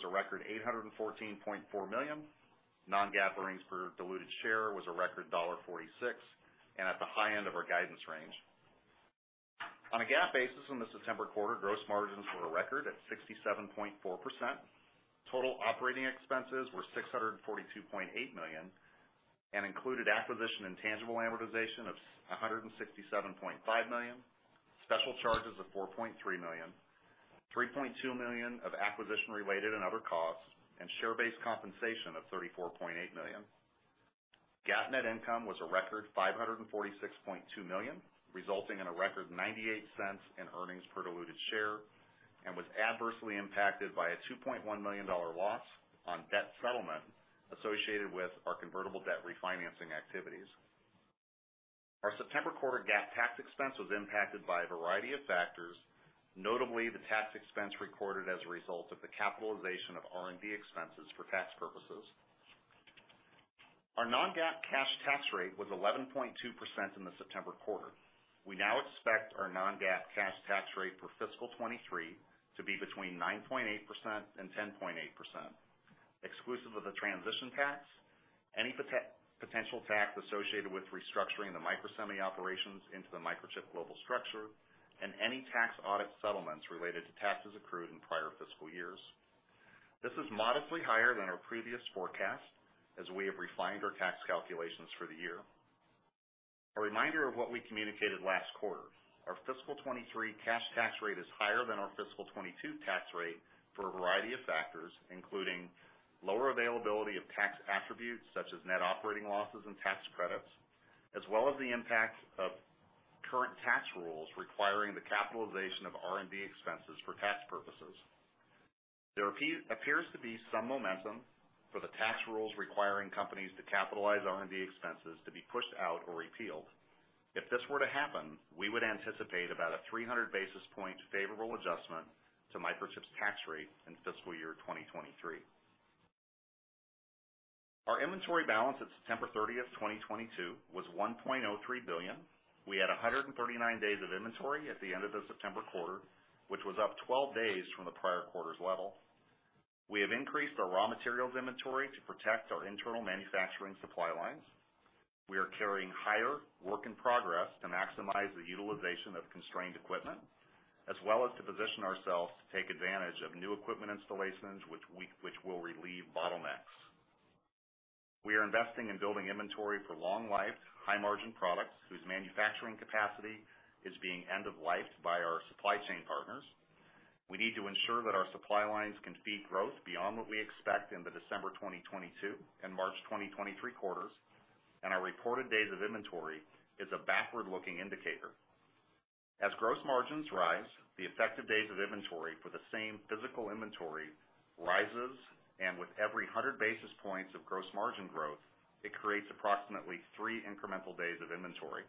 Was a record $814.4 million. Non-GAAP earnings per diluted share was a record $0.46, and at the high end of our guidance range. On a GAAP basis in the September quarter, gross margins were a record at 67.4%. Total operating expenses were $642.8 million, and included acquisition and tangible amortization of $167.5 million, special charges of $4.3 million, $3.2 million of acquisition-related and other costs, and share-based compensation of $34.8 million. GAAP net income was a record $546.2 million, resulting in a record $0.98 in earnings per diluted share, and was adversely impacted by a $2.1 million loss on debt settlement associated with our convertible debt refinancing activities. Our September quarter GAAP tax expense was impacted by a variety of factors, notably the tax expense recorded as a result of the capitalization of R&D expenses for tax purposes. Our non-GAAP cash tax rate was 11.2% in the September quarter. We now expect our non-GAAP cash tax rate for fiscal 2023 to be between 9.8% and 10.8%, exclusive of the transition tax, any potential tax associated with restructuring the Microsemi operations into the Microchip global structure, and any tax audit settlements related to taxes accrued in prior fiscal years. This is modestly higher than our previous forecast as we have refined our tax calculations for the year. A reminder of what we communicated last quarter, our fiscal 2023 cash tax rate is higher than our fiscal 2022 tax rate for a variety of factors, including lower availability of tax attributes such as net operating losses and tax credits, as well as the impact of current tax rules requiring the capitalization of R&D expenses for tax purposes. There appears to be some momentum for the tax rules requiring companies to capitalize R&D expenses to be pushed out or repealed. If this were to happen, we would anticipate about a 300 basis point favorable adjustment to Microchip's tax rate in fiscal year 2023. Our inventory balance at September 30th, 2022 was $1.03 billion. We had 139 days of inventory at the end of the September quarter, which was up 12 days from the prior quarter's level. We have increased our raw materials inventory to protect our internal manufacturing supply lines. We are carrying higher work in progress to maximize the utilization of constrained equipment, as well as to position ourselves to take advantage of new equipment installations which will relieve bottlenecks. We are investing in building inventory for long life, high margin products whose manufacturing capacity is being end of lifed by our supply chain partners. We need to ensure that our supply lines can feed growth beyond what we expect in the December 2022 and March 2023 quarters, and our reported days of inventory is a backward-looking indicator. As gross margins rise, the effective days of inventory for the same physical inventory rises, and with every 100 basis points of gross margin growth, it creates approximately 3 incremental days of inventory.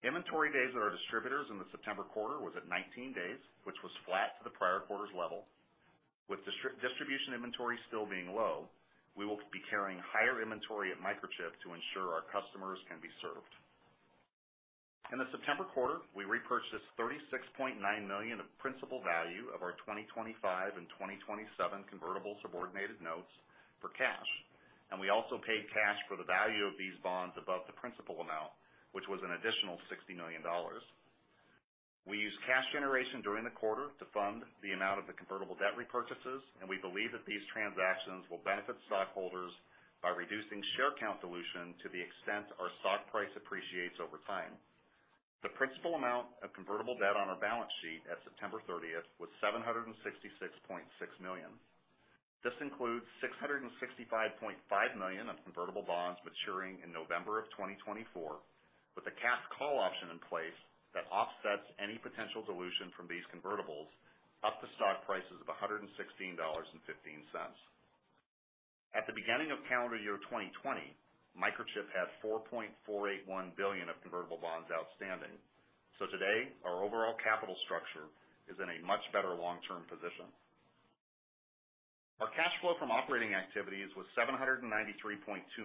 Inventory days at our distributors in the September quarter was at 19 days, which was flat to the prior quarter's level. With distribution inventory still being low, we will be carrying higher inventory at Microchip to ensure our customers can be served. In the September quarter, we repurchased $36.9 million of principal value of our 2025 and 2027 convertible subordinated notes for cash, and we also paid cash for the value of these bonds above the principal amount, which was an additional $60 million. We used cash generation during the quarter to fund the amount of the convertible debt repurchases, and we believe that these transactions will benefit stockholders by reducing share count dilution to the extent our stock price appreciates over time. The principal amount of convertible debt on our balance sheet at September 30th was $766.6 million. This includes $665.5 million of convertible bonds maturing in November 2024, with a cash call option in place that offsets any potential dilution from these convertibles up to stock prices of $116.15. At the beginning of calendar year 2020, Microchip had $4.481 billion of convertible bonds outstanding. Today, our overall capital structure is in a much better long-term position. Our cash flow from operating activities was $793.2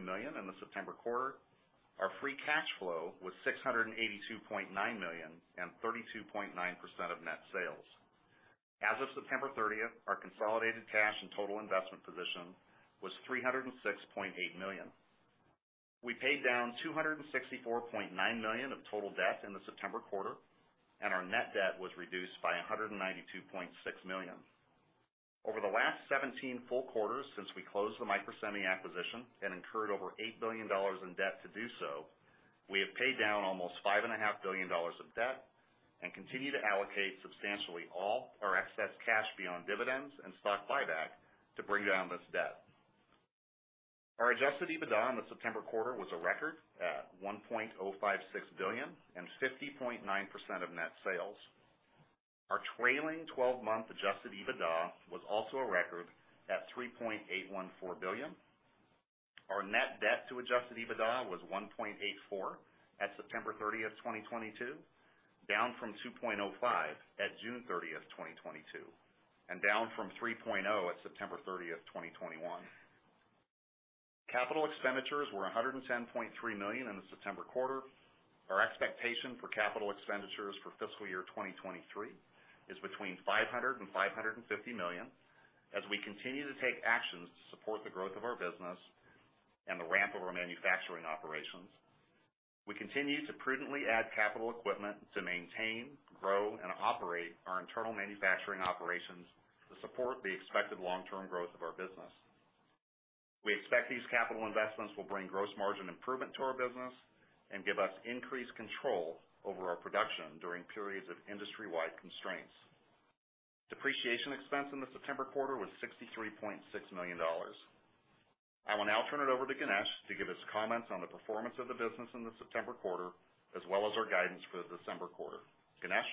million in the September quarter. Our Free Cash Flow was $682.9 million and 32.9% of net sales. As of September thirtieth, our consolidated cash and total investment position was $306.8 million. We paid down $264.9 million of total debt in the September quarter, and our net debt was reduced by $192.6 million. Over the last 17 full quarters since we closed the Microsemi acquisition and incurred over $8 billion in debt to do so, we have paid down almost $5.5 billion of debt and continue to allocate substantially all our excess cash beyond dividends and stock buyback to bring down this debt. Our adjusted EBITDA in the September quarter was a record at $1.056 billion and 50.9% of net sales. Our trailing twelve-month adjusted EBITDA was also a record at $3.814 billion. Our net debt to adjusted EBITDA was 1.84 at September 30, 2022, down from 2.05 at June 30th, 2022, and down from 3.0 at September 30th, 2021. Capital expenditures were $110.3 million in the September quarter. Our expectation for capital expenditures for fiscal year 2023 is between $500 million and $550 million as we continue to take actions to support the growth of our business and the ramp of our manufacturing operations. We continue to prudently add capital equipment to maintain, grow, and operate our internal manufacturing operations to support the expected long-term growth of our business. We expect these capital investments will bring gross margin improvement to our business and give us increased control over our production during periods of industry-wide constraints. Depreciation expense in the September quarter was $63.6 million. I will now turn it over to Ganesh to give us comments on the performance of the business in the September quarter, as well as our guidance for the December quarter. Ganesh?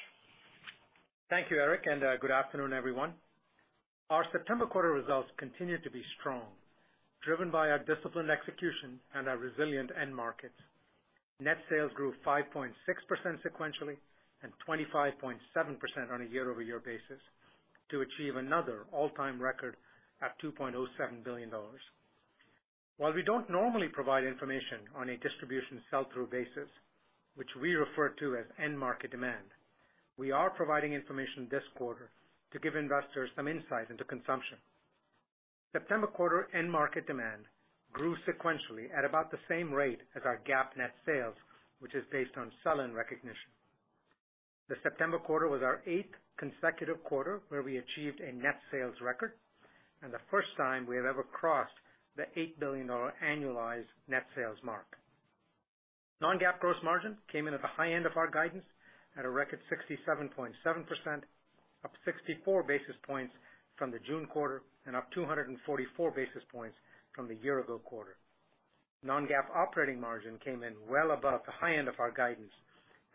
Thank you, Eric, and, good afternoon, everyone. Our September quarter results continued to be strong, driven by our disciplined execution and our resilient end markets. Net sales grew 5.6% sequentially and 25.7% on a year-over-year basis to achieve another all-time record at $2.07 billion. While we don't normally provide information on a distribution sell-through basis, which we refer to as end market demand, we are providing information this quarter to give investors some insight into consumption. September quarter end market demand grew sequentially at about the same rate as our GAAP net sales, which is based on sell-in recognition. The September quarter was our eighth consecutive quarter where we achieved a net sales record, and the first time we have ever crossed the $8 billion annualized net sales mark. Non-GAAP gross margin came in at the high end of our guidance at a record 67.7%, up 64 basis points from the June quarter and up 244 basis points from the year-ago quarter. Non-GAAP operating margin came in well above the high end of our guidance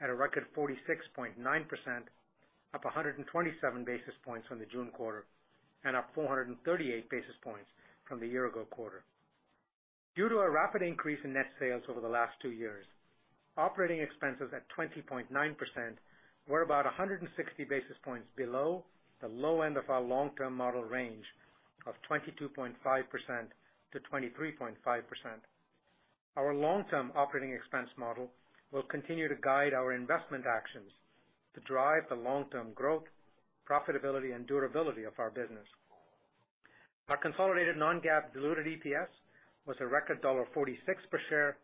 at a record 46.9%, up 127 basis points from the June quarter and up 438 basis points from the year-ago quarter. Due to a rapid increase in net sales over the last two years, operating expenses at 20.9% were about 160 basis points below the low end of our long-term model range of 22.5%-23.5%. Our long-term operating expense model will continue to guide our investment actions to drive the long-term growth, profitability and durability of our business. Our consolidated non-GAAP diluted EPS was a record $0.46 per share,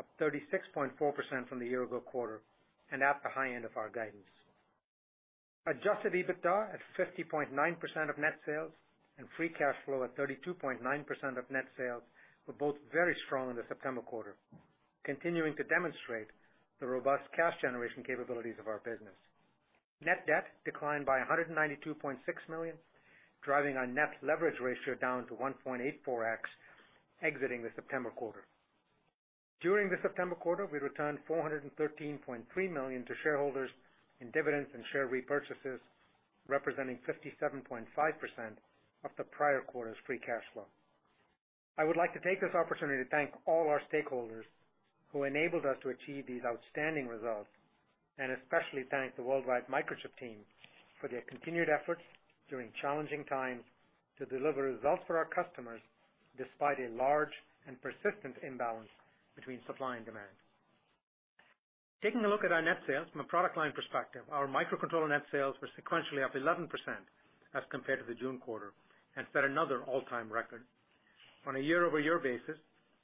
up 36.4% from the year-ago quarter and at the high end of our guidance. Adjusted EBITDA at 50.9% of net sales and Free Cash Flow at 32.9% of net sales were both very strong in the September quarter, continuing to demonstrate the robust cash generation capabilities of our business. Net debt declined by $192.6 million, driving our net leverage ratio down to 1.84x exiting the September quarter. During the September quarter, we returned $413.3 million to shareholders in dividends and share repurchases, representing 57.5% of the prior quarter's Free Cash Flow. I would like to take this opportunity to thank all our stakeholders who enabled us to achieve these outstanding results, and especially thank the worldwide Microchip team for their continued efforts during challenging times to deliver results for our customers despite a large and persistent imbalance between supply and demand. Taking a look at our net sales from a product line perspective, our microcontroller net sales were sequentially up 11% as compared to the June quarter and set another all-time record. On a year-over-year basis,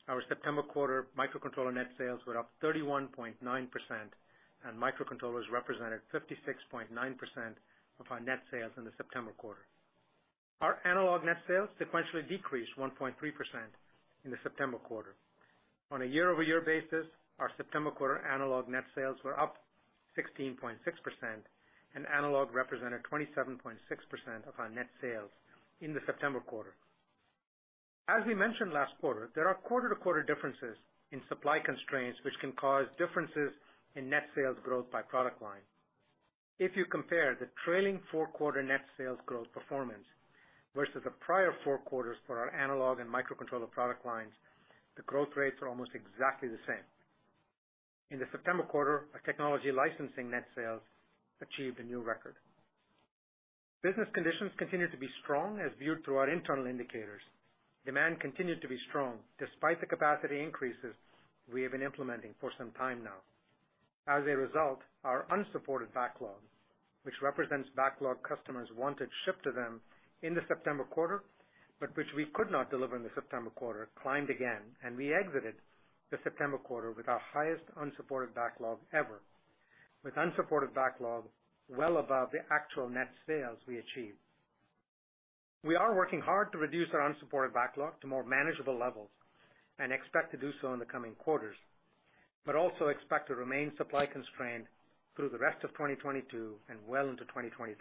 our September quarter microcontroller net sales were up 31.9%, and microcontrollers represented 56.9% of our net sales in the September quarter. Our analog net sales sequentially decreased 1.3% in the September quarter. On a year-over-year basis, our September quarter analog net sales were up 16.6%, and analog represented 27.6% of our net sales in the September quarter. As we mentioned last quarter, there are quarter-to-quarter differences in supply constraints which can cause differences in net sales growth by product line. If you compare the trailing four quarter net sales growth performance versus the prior four quarters for our analog and microcontroller product lines, the growth rates are almost exactly the same. In the September quarter, our technology licensing net sales achieved a new record. Business conditions continued to be strong as viewed through our internal indicators. Demand continued to be strong despite the capacity increases we have been implementing for some time now. As a result, our unsupported backlog, which represents backlog customers wanted shipped to them in the September quarter, but which we could not deliver in the September quarter, climbed again, and we exited the September quarter with our highest unsupported backlog ever, with unsupported backlog well above the actual net sales we achieved. We are working hard to reduce our unsupported backlog to more manageable levels and expect to do so in the coming quarters, but also expect to remain supply constrained through the rest of 2022 and well into 2023.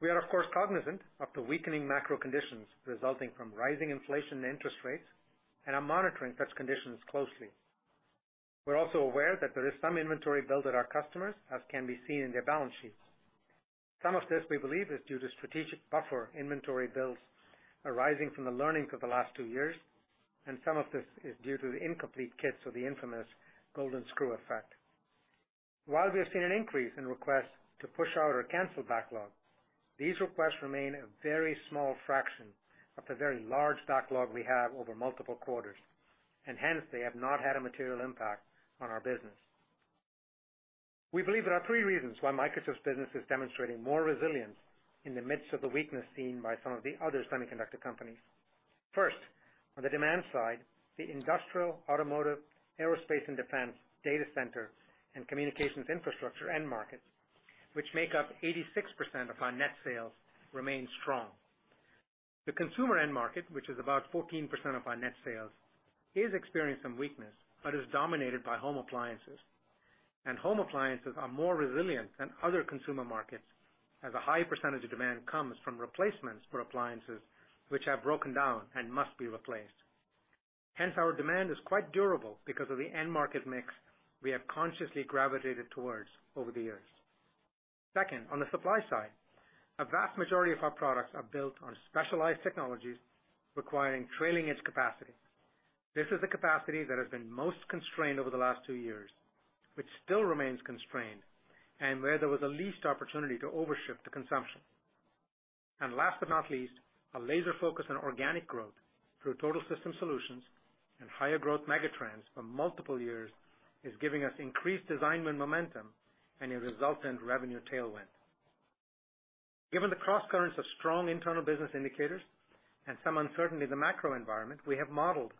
We are of course cognizant of the weakening macro conditions resulting from rising inflation and interest rates and are monitoring such conditions closely. We're also aware that there is some inventory build at our customers, as can be seen in their balance sheets. Some of this, we believe, is due to strategic buffer inventory builds arising from the learnings of the last 2 years, and some of this is due to the incomplete kits or the infamous golden screw effect. While we have seen an increase in requests to push out or cancel backlog, these requests remain a very small fraction of the very large backlog we have over multiple quarters, and hence they have not had a material impact on our business. We believe there are three reasons why Microchip's business is demonstrating more resilience in the midst of the weakness seen by some of the other semiconductor companies. First, on the demand side, the industrial, automotive, aerospace and defense, data center, and communications infrastructure end markets, which make up 86% of our net sales, remain strong. The consumer end market, which is about 14% of our net sales, is experiencing some weakness, but is dominated by home appliances. Home appliances are more resilient than other consumer markets, as a high percentage of demand comes from replacements for appliances which have broken down and must be replaced. Hence, our demand is quite durable because of the end market mix we have consciously gravitated towards over the years. Second, on the supply side, a vast majority of our products are built on specialized technologies requiring trailing edge capacity. This is the capacity that has been most constrained over the last 2 years, which still remains constrained, and where there was the least opportunity to overship to consumption. Last but not least, a laser focus on organic growth through Total System Solutions and higher growth megatrends for multiple years is giving us increased design win momentum and a resultant revenue tailwind. Given the crosscurrents of strong internal business indicators and some uncertainty in the macro environment, we have modeled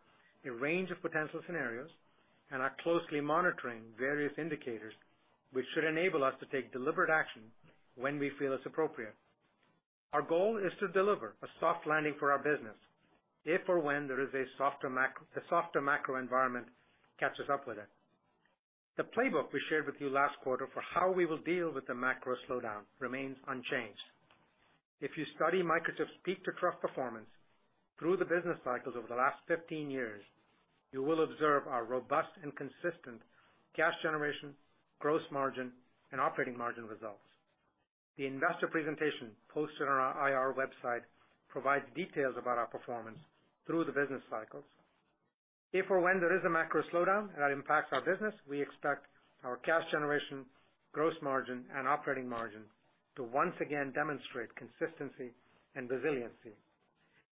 a range of potential scenarios and are closely monitoring various indicators, which should enable us to take deliberate action when we feel it's appropriate. Our goal is to deliver a soft landing for our business if or when there is the softer macro environment catches up with it. The playbook we shared with you last quarter for how we will deal with the macro slowdown remains unchanged. If you study Microchip's peak-to-trough performance through the business cycles over the last 15 years, you will observe our robust and consistent cash generation, gross margin, and operating margin results. The investor presentation posted on our IR website provides details about our performance through the business cycles. If or when there is a macro slowdown that impacts our business, we expect our cash generation, gross margin, and operating margin to once again demonstrate consistency and resiliency.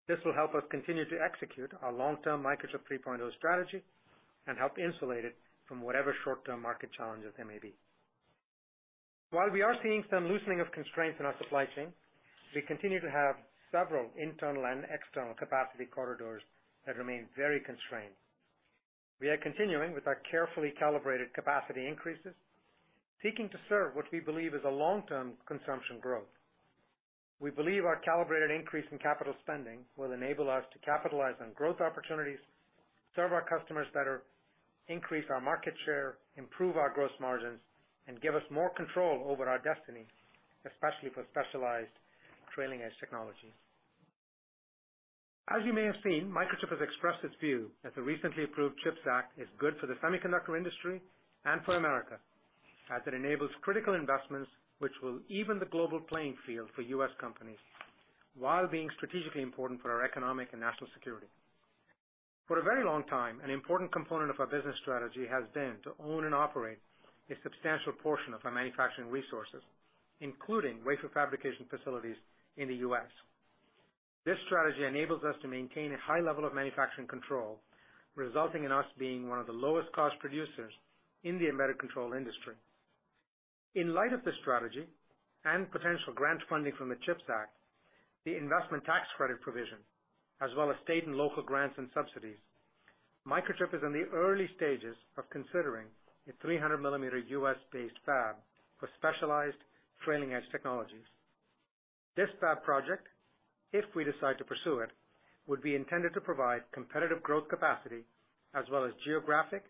This will help us continue to execute our long-term Microchip 3.0 strategy and help insulate it from whatever short-term market challenges there may be. While we are seeing some loosening of constraints in our supply chain, we continue to have several internal and external capacity corridors that remain very constrained. We are continuing with our carefully calibrated capacity increases, seeking to serve what we believe is a long-term consumption growth. We believe our calibrated increase in capital spending will enable us to capitalize on growth opportunities, serve our customers better, increase our market share, improve our gross margins, and give us more control over our destiny, especially for specialized trailing edge technologies. As you may have seen, Microchip has expressed its view that the recently approved CHIPS Act is good for the semiconductor industry and for America, as it enables critical investments, which will even the global playing field for U.S. companies, while being strategically important for our economic and national security. For a very long time, an important component of our business strategy has been to own and operate a substantial portion of our manufacturing resources, including wafer fabrication facilities in the U.S. This strategy enables us to maintain a high level of manufacturing control, resulting in us being one of the lowest cost producers in the embedded control industry. In light of this strategy and potential grant funding from the CHIPS Act, the investment tax credit provision, as well as state and local grants and subsidies, Microchip is in the early stages of considering a 300 millimeter U.S.-based fab for specialized trailing edge technologies. This fab project, if we decide to pursue it, would be intended to provide competitive growth capacity as well as geographic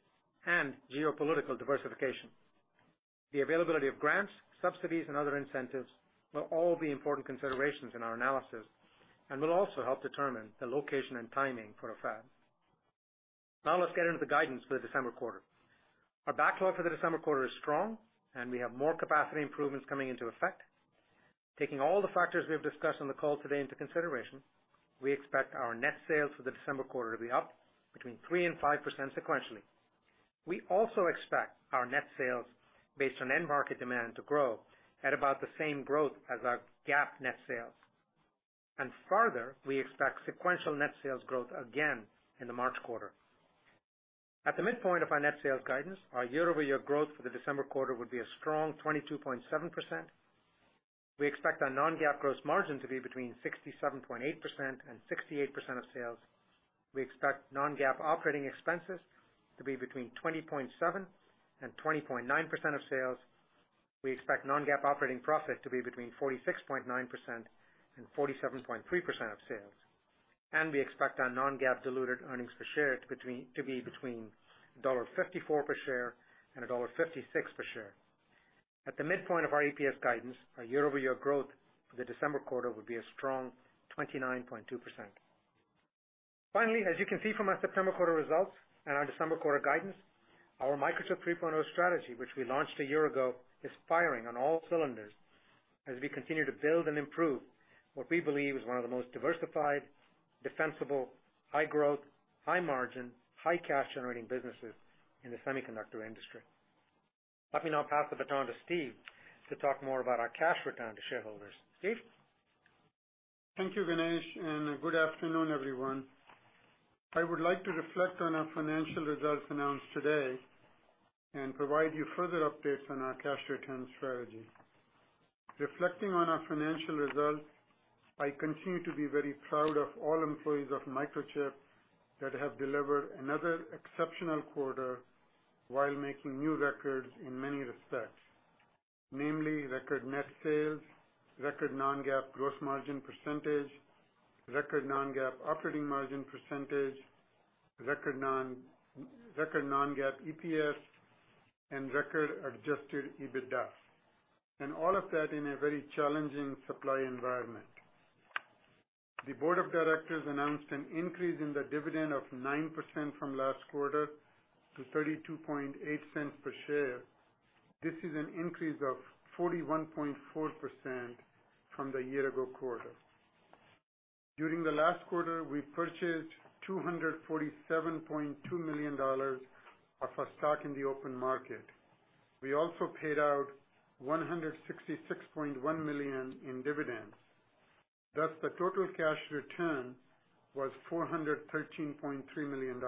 and geopolitical diversification. The availability of grants, subsidies, and other incentives will all be important considerations in our analysis and will also help determine the location and timing for a fab. Now let's get into the guidance for the December quarter. Our backlog for the December quarter is strong, and we have more capacity improvements coming into effect. Taking all the factors we have discussed on the call today into consideration, we expect our net sales for the December quarter to be up between 3% and 5% sequentially. We also expect our net sales based on end market demand to grow at about the same growth as our GAAP net sales. Further, we expect sequential net sales growth again in the March quarter. At the midpoint of our net sales guidance, our year-over-year growth for the December quarter would be a strong 22.7%. We expect our non-GAAP gross margin to be between 67.8% and 68% of sales. We expect non-GAAP operating expenses to be between 20.7% and 20.9% of sales. We expect non-GAAP operating profit to be between 46.9% and 47.3% of sales. We expect our non-GAAP diluted earnings per share to be between $1.54 per share and $1.56 per share. At the midpoint of our EPS guidance, our year-over-year growth for the December quarter would be a strong 29.2%. Finally, as you can see from our September quarter results and our December quarter guidance, our Microchip 3.0 strategy, which we launched a year ago, is firing on all cylinders. We continue to build and improve what we believe is one of the most diversified, defensible, high-growth, high-margin, high-cash generating businesses in the semiconductor industry. Let me now pass the baton to Steve to talk more about our cash return to shareholders. Steve? Thank you, Ganesh, and good afternoon, everyone. I would like to reflect on our financial results announced today and provide you further updates on our cash return strategy. Reflecting on our financial results, I continue to be very proud of all employees of Microchip that have delivered another exceptional quarter while making new records in many respects, namely record net sales, record non-GAAP gross margin percentage, record non-GAAP operating margin percentage, record non-GAAP EPS, and record adjusted EBITDA, and all of that in a very challenging supply environment. The board of directors announced an increase in the dividend of 9% from last quarter to $0.328 per share. This is an increase of 41.4% from the year ago quarter. During the last quarter, we purchased $247.2 million of our stock in the open market. We also paid out $166.1 million in dividends. Thus, the total cash return was $413.3 million.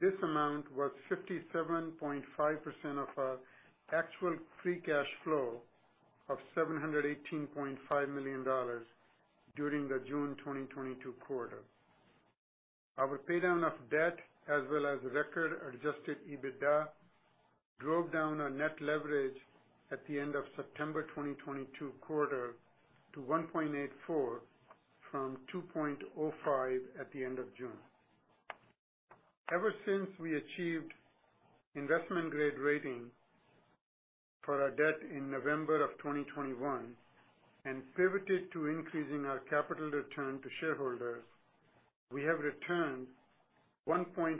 This amount was 57.5% of our actual Free Cash Flow of $718.5 million during the June 2022 quarter. Our pay down of debt as well as record adjusted EBITDA drove down our net leverage at the end of September 2022 quarter to 1.84 from 2.05 at the end of June. Ever since we achieved investment-grade rating for our debt in November 2021 and pivoted to increasing our capital return to shareholders, we have returned $1.457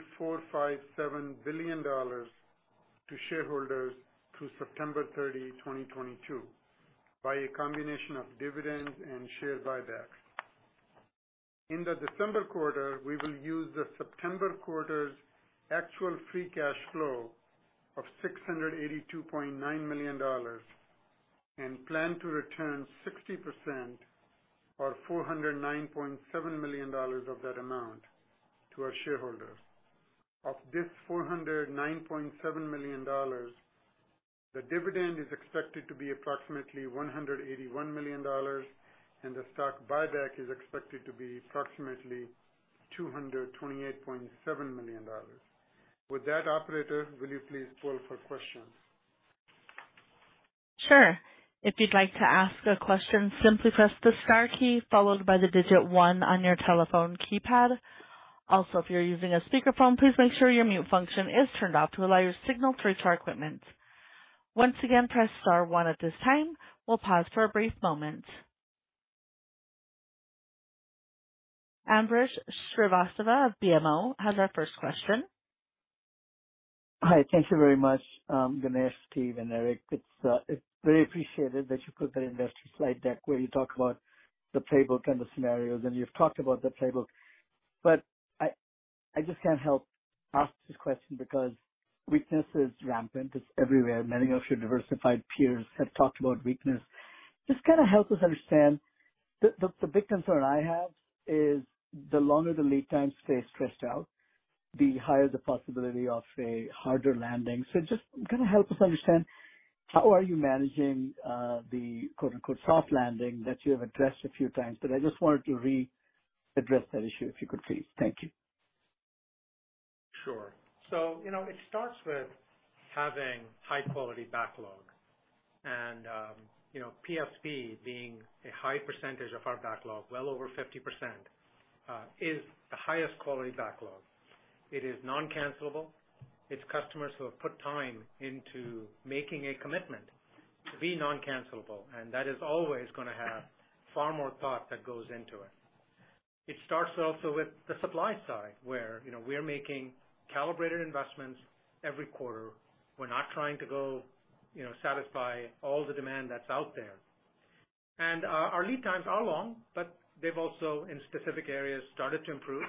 billion to shareholders through September 30, 2022, by a combination of dividends and share buybacks. In the December quarter, we will use the September quarter's actual Free Cash Flow of $682.9 million and plan to return 60% or $409.7 million of that amount to our shareholders. Of this $409.7 million, the dividend is expected to be approximately $181 million, and the stock buyback is expected to be approximately $228.7 million. With that, operator, will you please poll for questions? Sure. If you'd like to ask a question, simply press the star key followed by the digit one on your telephone keypad. Also, if you're using a speakerphone, please make sure your mute function is turned off to allow your signal through to our equipment. Once again, press star one at this time. We'll pause for a brief moment. Ambrish Srivastava of BMO has our first question. Hi. Thank you very much, Ganesh, Steve, and Eric. It's very appreciated that you put that investor slide deck where you talk about the playbook and the scenarios, and you've talked about the playbook. I just can't help ask this question because weakness is rampant. It's everywhere. Many of your diversified peers have talked about weakness. Just kind of help us understand. The big concern I have is the longer the lead times stay stressed out, the higher the possibility of a harder landing. Just kind of help us understand how are you managing the quote, unquote, "soft landing" that you have addressed a few times, but I just wanted to re-address that issue, if you could please. Thank you. Sure. You know, it starts with having high-quality backlog. You know, PSP being a high percentage of our backlog, well over 50%, is the highest quality backlog. It is non-cancellable. It's customers who have put time into making a commitment to be non-cancellable, and that is always gonna have far more thought that goes into it. It starts also with the supply side, where you know, we are making calibrated investments every quarter. We're not trying to, you know, satisfy all the demand that's out there. Our lead times are long, but they've also, in specific areas, started to improve,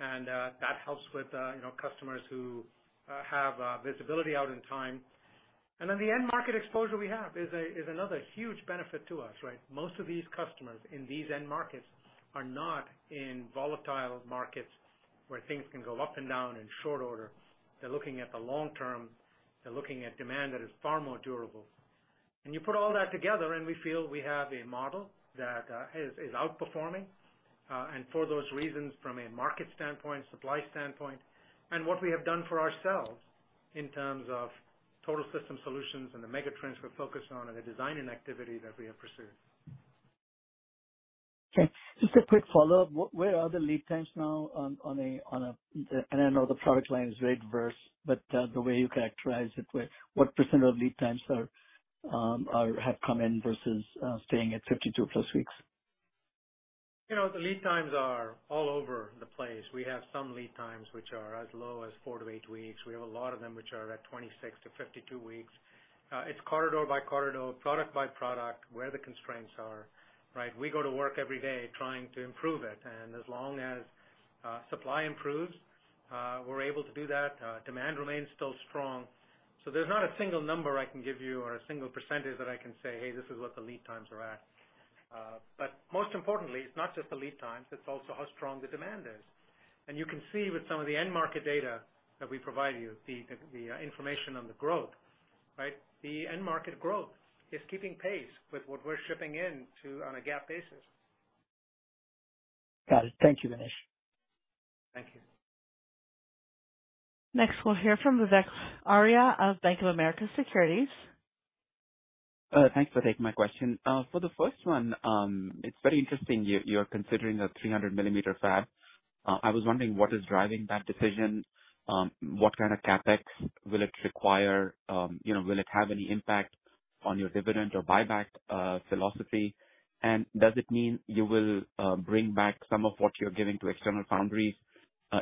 and that helps with you know, customers who have visibility out in time. The end market exposure we have is another huge benefit to us, right? Most of these customers in these end markets are not in volatile markets where things can go up and down in short order. They're looking at the long term. They're looking at demand that is far more durable. You put all that together, and we feel we have a model that is outperforming, and for those reasons, from a market standpoint, supply standpoint, and what we have done for ourselves in terms of Total System Solutions and the mega trends we're focused on and the designing activity that we have pursued. Okay. Just a quick follow-up. Where are the lead times now on a... I know the product line is very diverse, but the way you characterize it, what % of lead times have come in versus staying at 52+ weeks? You know, the lead times are all over the place. We have some lead times which are as low as 4 weeks-8 weeks. We have a lot of them which are at 26 weeks-52 weeks. It's corridor by corridor, product by product, where the constraints are, right? We go to work every day trying to improve it, and as long as supply improves, we're able to do that. Demand remains still strong. There's not a single number I can give you or a single percentage that I can say, "Hey, this is what the lead times are at." Most importantly, it's not just the lead times, it's also how strong the demand is. You can see with some of the end market data that we provide you, the information on the growth, right? The end market growth is keeping pace with what we're shipping in to on a GAAP basis. Got it. Thank you, Ganesh. Thank you. Next, we'll hear from Vivek Arya of Bank of America Securities. Thanks for taking my question. For the first one, it's very interesting you're considering a 300 millimeter fab. I was wondering what is driving that decision? What kind of CapEx will it require? You know, will it have any impact on your dividend or buyback philosophy? Does it mean you will bring back some of what you're giving to external foundries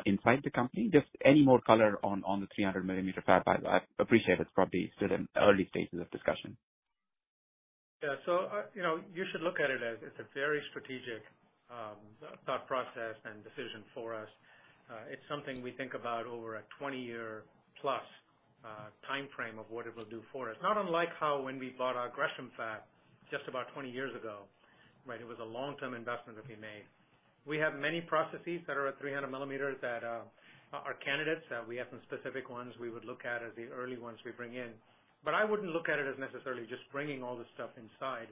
inside the company? Just any more color on the 300 millimeter fab. I appreciate it's probably still in early stages of discussion. Yeah. You know, you should look at it as it's a very strategic thought process and decision for us. It's something we think about over a 20-year-plus timeframe of what it will do for us, not unlike how when we bought our Gresham fab just about 20 years ago, right? It was a long-term investment that we made. We have many processes that are at 300 millimeters that are candidates. We have some specific ones we would look at as the early ones we bring in. But I wouldn't look at it as necessarily just bringing all this stuff inside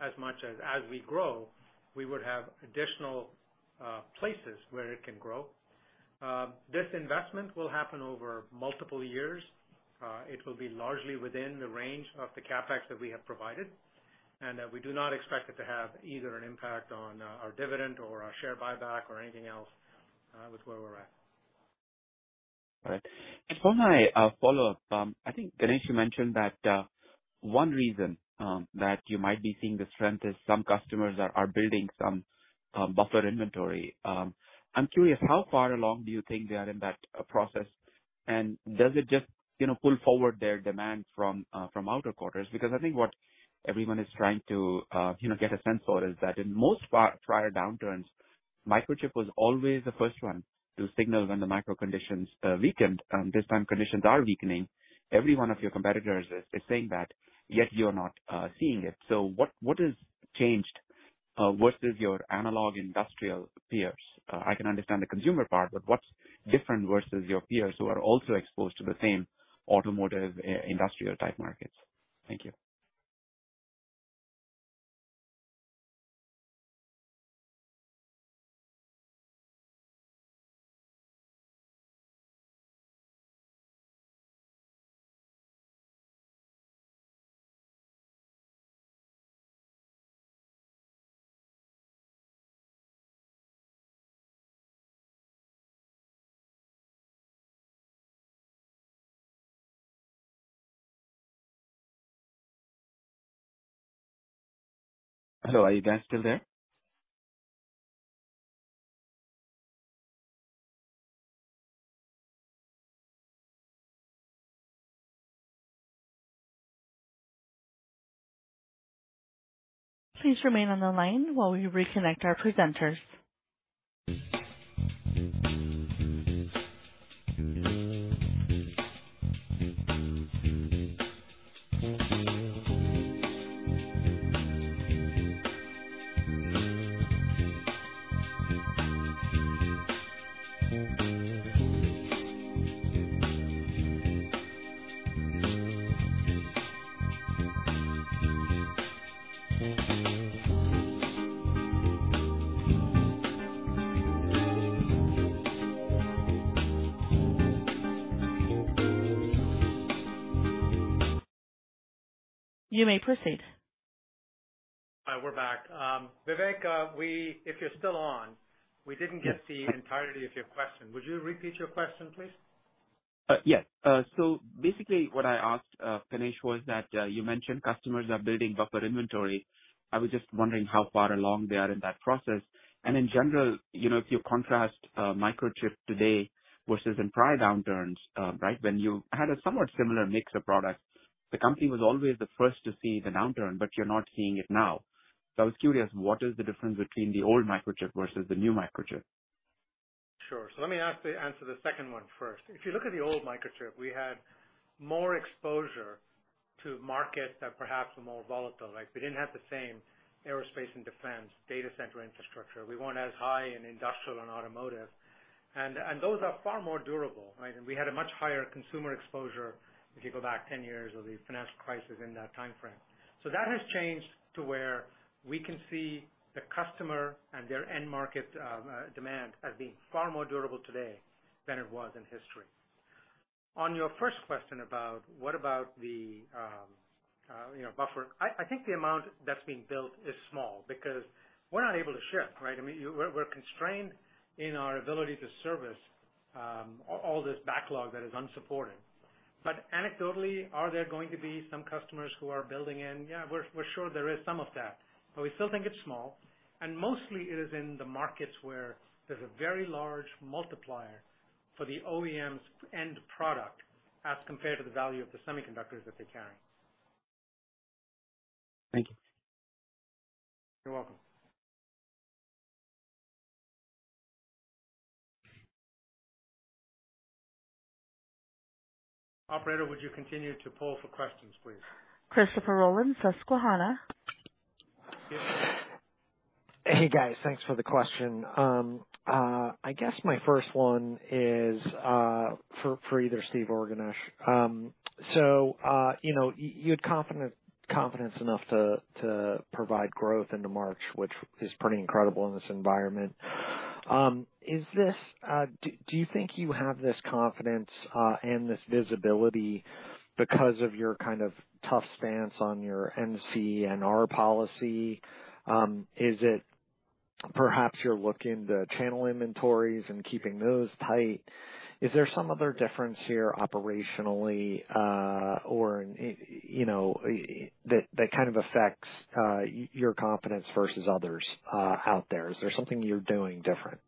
as much as we grow, we would have additional places where it can grow. This investment will happen over multiple years. It will be largely within the range of the CapEx that we have provided, and we do not expect it to have either an impact on our dividend or our share buyback or anything else with where we're at. All right. For my follow-up, I think, Ganesh, you mentioned that one reason that you might be seeing the strength is some customers are building some buffer inventory. I'm curious, how far along do you think they are in that process? Does it just, you know, pull forward their demand from outer quarters? Because I think what everyone is trying to, you know, get a sense for is that in most prior downturns, Microchip was always the first one to signal when the market conditions weakened. This time conditions are weakening. Every one of your competitors is saying that, yet you're not seeing it. What has changed versus your analog industrial peers? I can understand the consumer part, but what's different versus your peers who are also exposed to the same automotive, industrial type markets? Thank you. Hello, are you guys still there? Please remain on the line while we reconnect our presenters. You may proceed. We're back. Vivek, if you're still on, we didn't get the entirety of your question. Would you repeat your question, please? Yes. So basically what I asked, Ganesh, was that you mentioned customers are building buffer inventory. I was just wondering how far along they are in that process. In general, you know, if you contrast Microchip today versus in prior downturns, right, when you had a somewhat similar mix of products, the company was always the first to see the downturn, but you're not seeing it now. I was curious, what is the difference between the old Microchip versus the new Microchip? Sure. Let me answer the second one first. If you look at the old Microchip, we had more exposure to markets that perhaps were more volatile, right? We didn't have the same aerospace and defense data center infrastructure. We weren't as high in industrial and automotive. Those are far more durable, right? We had a much higher consumer exposure if you go back 10 years or the financial crisis in that timeframe. That has changed to where we can see the customer and their end market demand as being far more durable today than it was in history. On your first question about the buffer, you know, I think the amount that's being built is small because we're not able to ship, right? I mean, we're constrained in our ability to service all this backlog that is unsupported. Anecdotally, are there going to be some customers who are building in? Yeah, we're sure there is some of that, but we still think it's small. Mostly it is in the markets where there's a very large multiplier for the OEM's end product as compared to the value of the semiconductors that they carry. Thank you. You're welcome. Operator, would you continue to poll for questions, please? Christopher Rolland, Susquehanna. Hey, guys. Thanks for the question. I guess my first one is for either Steve or Ganesh. You know, you had confidence enough to provide growth into March, which is pretty incredible in this environment. Do you think you have this confidence and this visibility because of your kind of tough stance on your NC NR policy? Is it perhaps you're looking at the channel inventories and keeping those tight? Is there some other difference here operationally, or, you know, that kind of affects your confidence versus others out there? Is there something you're doing different?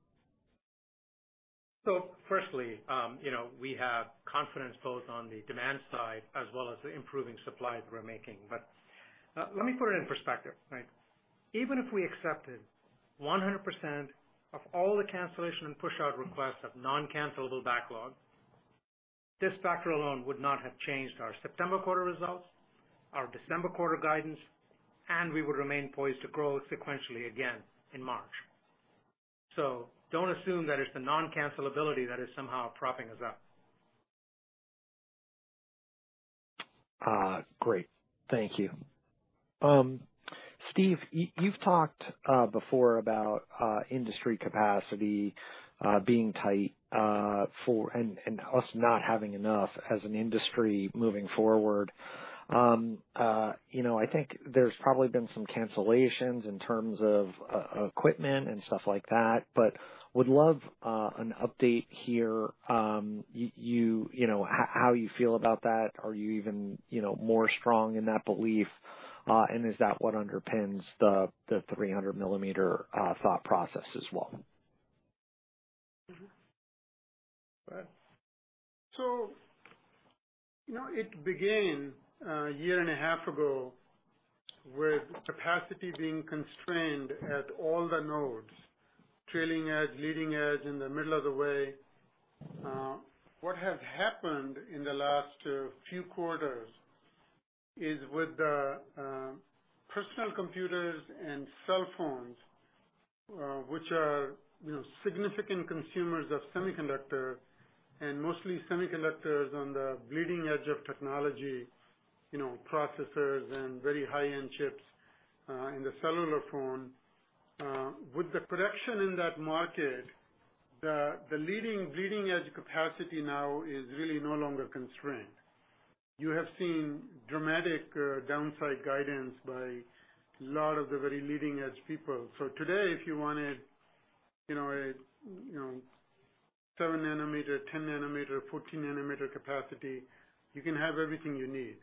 Firstly, you know, we have confidence both on the demand side as well as the improving supply that we're making. Let me put it in perspective, right. Even if we accepted 100% of all the cancellation and pushout requests of non-cancellable backlog, this factor alone would not have changed our September quarter results, our December quarter guidance, and we would remain poised to grow sequentially again in March. Don't assume that it's the non-cancellability that is somehow propping us up. Great. Thank you. Steve, you've talked before about industry capacity being tight and us not having enough as an industry moving forward. You know, I think there's probably been some cancellations in terms of equipment and stuff like that, but would love an update here. You know how you feel about that. Are you even, you know, more strong in that belief? Is that what underpins the 300 millimeter thought process as well? It began a year and a half ago with capacity being constrained at all the nodes, trailing edge, leading edge, in the middle of the way. What has happened in the last few quarters is with the personal computers and cell phones, which are, you know, significant consumers of semiconductors and mostly semiconductors on the leading edge of technology, you know, processors and very high-end chips in the cellular phone. With the production in that market, the leading edge capacity now is really no longer constrained. You have seen dramatic downside guidance by a lot of the very leading-edge people. Today, if you wanted, you know, a 7 nanometer, 10 nanometer, 14 nanometer capacity, you can have everything you need.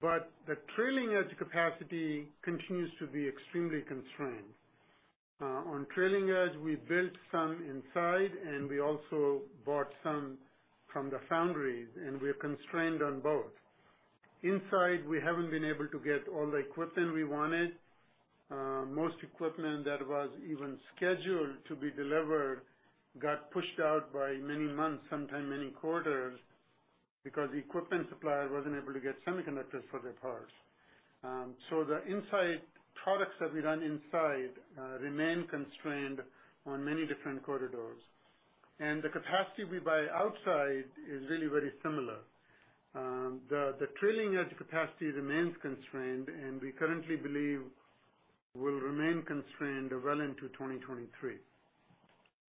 But the trailing edge capacity continues to be extremely constrained. On trailing edge, we built some inside, and we also bought some from the foundries, and we are constrained on both. Inside, we haven't been able to get all the equipment we wanted. Most equipment that was even scheduled to be delivered got pushed out by many months, sometimes many quarters, because the equipment supplier wasn't able to get semiconductors for their parts. So the inside products that we run inside remain constrained on many different corners. The capacity we buy outside is really very similar. The trailing edge capacity remains constrained, and we currently believe will remain constrained well into 2023.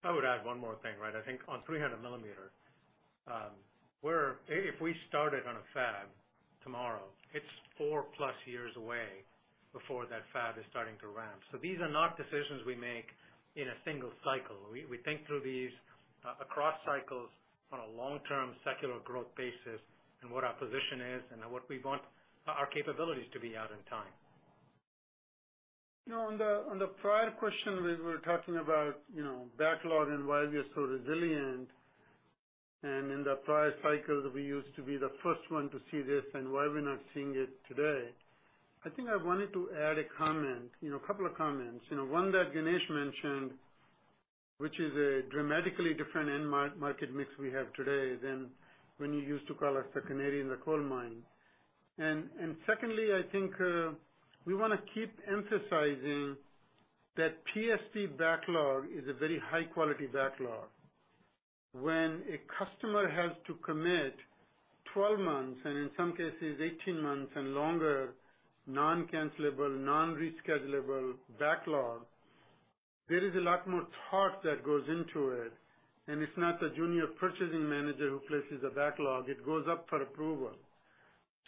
I would add one more thing, right. I think on 300 millimeter, if we started on a fab tomorrow, it's 4+ years away before that fab is starting to ramp. These are not decisions we make in a single cycle. We think through these across cycles on a long-term secular growth basis and what our position is and what we want our capabilities to be out in time. You know, on the prior question, we were talking about, you know, backlog and why we are so resilient, and in the prior cycles, we used to be the first one to see this and why we're not seeing it today. I think I wanted to add a comment, you know, a couple of comments. You know, one that Ganesh mentioned, which is a dramatically different end-market mix we have today than when you used to call us the canary in the coal mine. Secondly, I think we wanna keep emphasizing that PSP backlog is a very high-quality backlog. When a customer has to commit 12 months, and in some cases 18 months and longer, non-cancellable, non-reschedulable backlog, there is a lot more thought that goes into it. It's not the junior purchasing manager who places a backlog. It goes up for approval.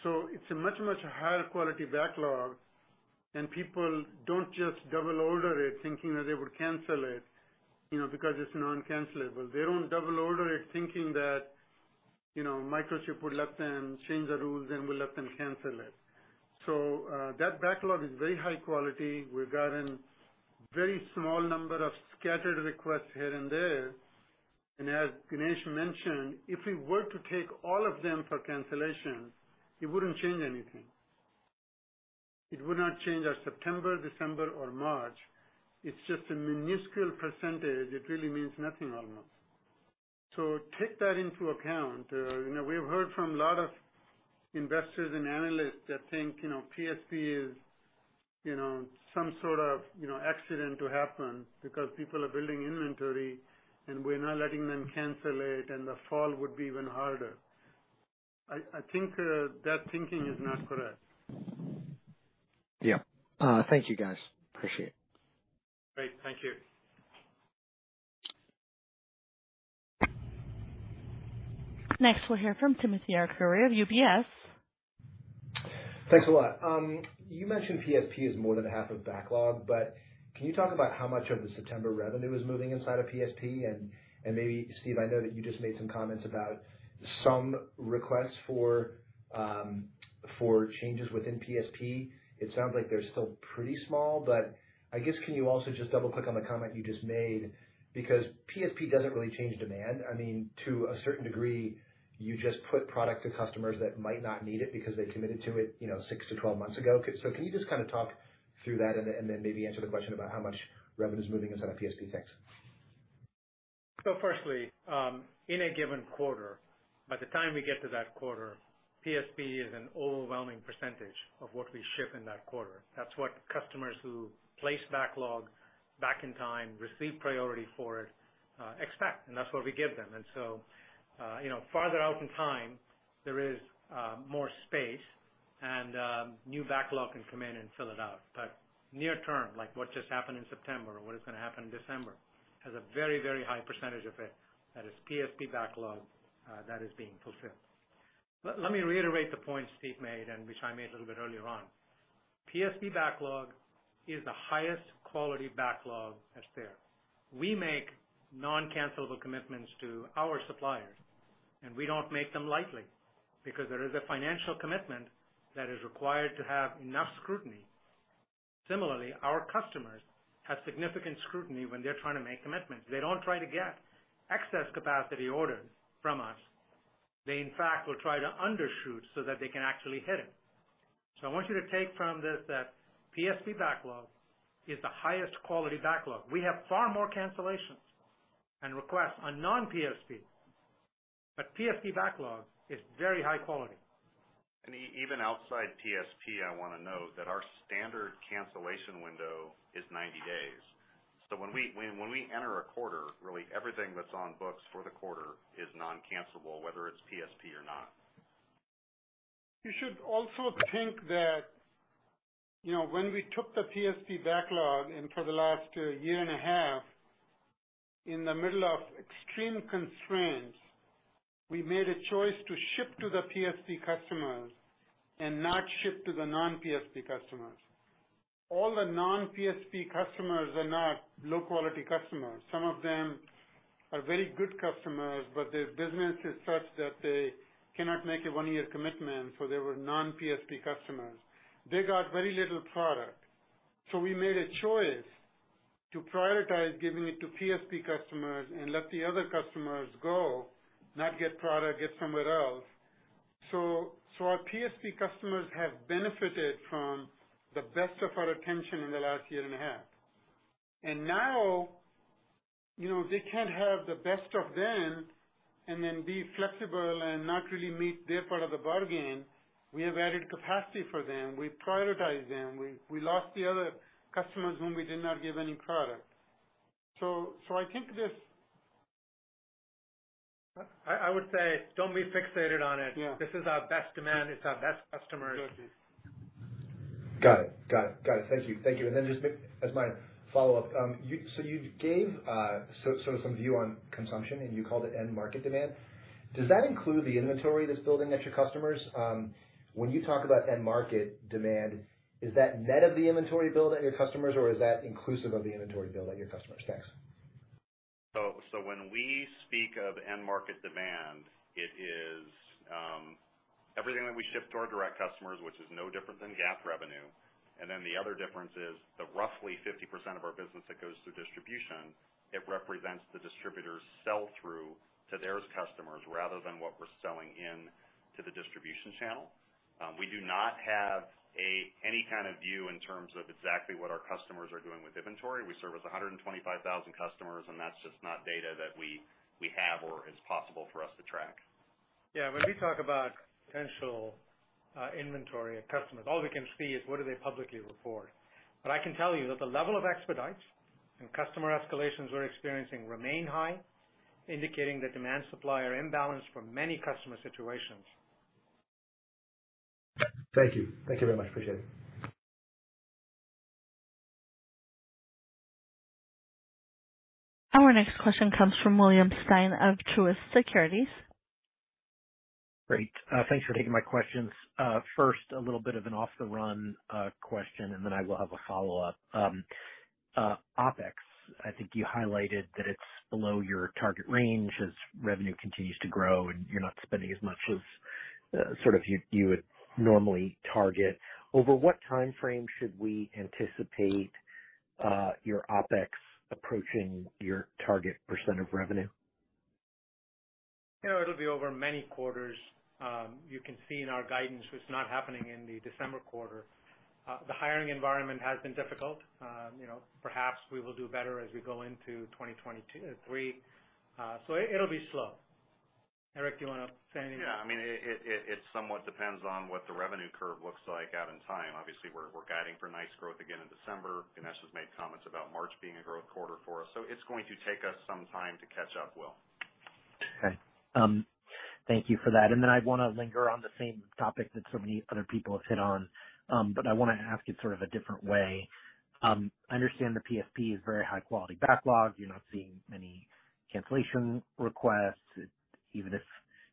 It's a much, much higher quality backlog, and people don't just double order it thinking that they would cancel it, you know, because it's non-cancelable. They don't double order it thinking that, you know, Microchip would let them change the rules and will let them cancel it. That backlog is very high quality. We've gotten very small number of scattered requests here and there. As Ganesh mentioned, if we were to take all of them for cancellation, it wouldn't change anything. It would not change our September, December or March. It's just a minuscule percentage. It really means nothing almost. Take that into account. You know, we have heard from a lot of investors and analysts that think, you know, PSP is, you know, some sort of, you know, accident waiting to happen because people are building inventory and we're not letting them cancel it, and the fall would be even harder. I think that thinking is not correct. Yeah. Thank you, guys. Appreciate it. Great. Thank you. Next, we'll hear from Timothy Arcuri of UBS. Thanks a lot. You mentioned PSP is more than half of backlog, but can you talk about how much of the September revenue is moving inside of PSP? Maybe Steve, I know that you just made some comments about some requests for changes within PSP. It sounds like they're still pretty small. I guess can you also just double click on the comment you just made? Because PSP doesn't really change demand. I mean, to a certain degree, you just put product to customers that might not need it because they committed to it, you know, 6 months-12 months ago. Can you just kind of talk through that and then maybe answer the question about how much revenue is moving inside of PSP, thanks. Firstly, in a given quarter, by the time we get to that quarter, PSP is an overwhelming percentage of what we ship in that quarter. That's what customers who place backlog back in time receive priority for it, expect, and that's what we give them. You know, farther out in time, there is more space and new backlog can come in and fill it out. Near term, like what just happened in September or what is gonna happen in December, has a very, very high percentage of it. That is PSP backlog that is being fulfilled. Let me reiterate the point Steve made and which I made a little bit earlier on. PSP backlog is the highest quality backlog that's there. We make non-cancelable commitments to our suppliers, and we don't make them lightly because there is a financial commitment that is required to have enough scrutiny. Similarly, our customers have significant scrutiny when they're trying to make commitment. They don't try to get excess capacity orders from us. They in fact will try to undershoot so that they can actually hit it. I want you to take from this that PSP backlog is the highest quality backlog. We have far more cancellations and requests on non-PSP, but PSP backlog is very high quality. Even outside PSP, I wanna note that our standard cancellation window is 90 days. When we enter a quarter, really everything that's on books for the quarter is non-cancelable, whether it's PSP or not. You should also think that, you know, when we took the PSP backlog and for the last year and a half, in the middle of extreme constraints, we made a choice to ship to the PSP customers and not ship to the non-PSP customers. All the non-PSP customers are not low quality customers. Some of them are very good customers, but their business is such that they cannot make a 1-year commitment, so they were non-PSP customers. They got very little product. We made a choice to prioritize giving it to PSP customers and let the other customers go, not get product, get somewhere else. Our PSP customers have benefited from the best of our attention in the last year and a half. Now, you know, they can't have the best of them and then be flexible and not really meet their part of the bargain. We have added capacity for them. We prioritize them. We lost the other customers whom we did not give any product. I think this. I would say don't be fixated on it. Yeah. This is our best demand. It's our best customers. Got it. Got it. Thank you. Just as a follow-up, so you gave some view on consumption and you called it end market demand. Does that include the inventory that's building at your customers? When you talk about end market demand, is that net of the inventory build at your customers, or is that inclusive of the inventory build at your customers? Thanks. When we speak of end market demand, it is everything that we ship to our direct customers, which is no different than GAAP revenue. The other difference is the roughly 50% of our business that goes through distribution. It represents the distributors sell through to those customers rather than what we're selling into the distribution channel. We do not have any kind of view in terms of exactly what our customers are doing with inventory. We service 125,000 customers, and that's just not data that we have or is possible for us to track. Yeah. When we talk about potential inventory at customers, all we can see is what do they publicly report? I can tell you that the level of expedites and customer escalations we're experiencing remain high, indicating that demand-supply are imbalanced for many customer situations. Thank you. Thank you very much. Appreciate it. Our next question comes from William Stein of Truist Securities. Great. Thanks for taking my questions. First, a little bit of an off the run question, and then I will have a follow-up. OpEx, I think you highlighted that it's below your target range as revenue continues to grow, and you're not spending as much as sort of you would normally target. Over what time frame should we anticipate your OpEx approaching your target percent of revenue? You know, it'll be over many quarters. You can see in our guidance it's not happening in the December quarter. The hiring environment has been difficult. You know, perhaps we will do better as we go into 2022, 2023. It'll be slow. Eric, do you wanna say anything? Yeah, I mean, it somewhat depends on what the revenue curve looks like out in time. Obviously, we're guiding for nice growth again in December. Ganesh has made comments about March being a growth quarter for us. It's going to take us some time to catch up, Will. Okay. Thank you for that. I'd wanna linger on the same topic that so many other people have hit on, but I wanna ask it sort of a different way. I understand the PSP is very high quality backlog. You're not seeing many cancellation requests. Even if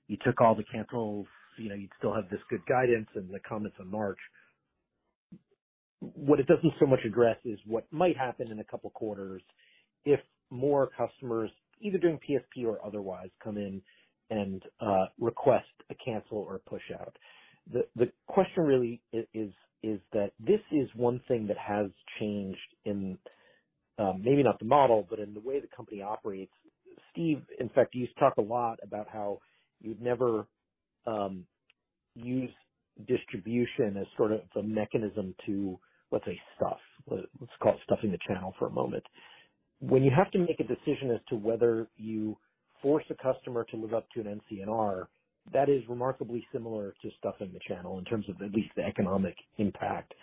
you took all the cancels, you know, you'd still have this good guidance and the comments on March. What it doesn't so much address is what might happen in a couple quarters if more customers, either doing PSP or otherwise, come in and request a cancel or a pushout. The question really is that this is one thing that has changed in, maybe not the model, but in the way the company operates. Steve, in fact, you've talked a lot about how you'd never use distribution as sort of the mechanism to, let's say, stuff. Let's call it stuffing the channel for a moment. When you have to make a decision as to whether you force a customer to live up to an NCNR, that is remarkably similar to stuffing the channel in terms of at least the economic impact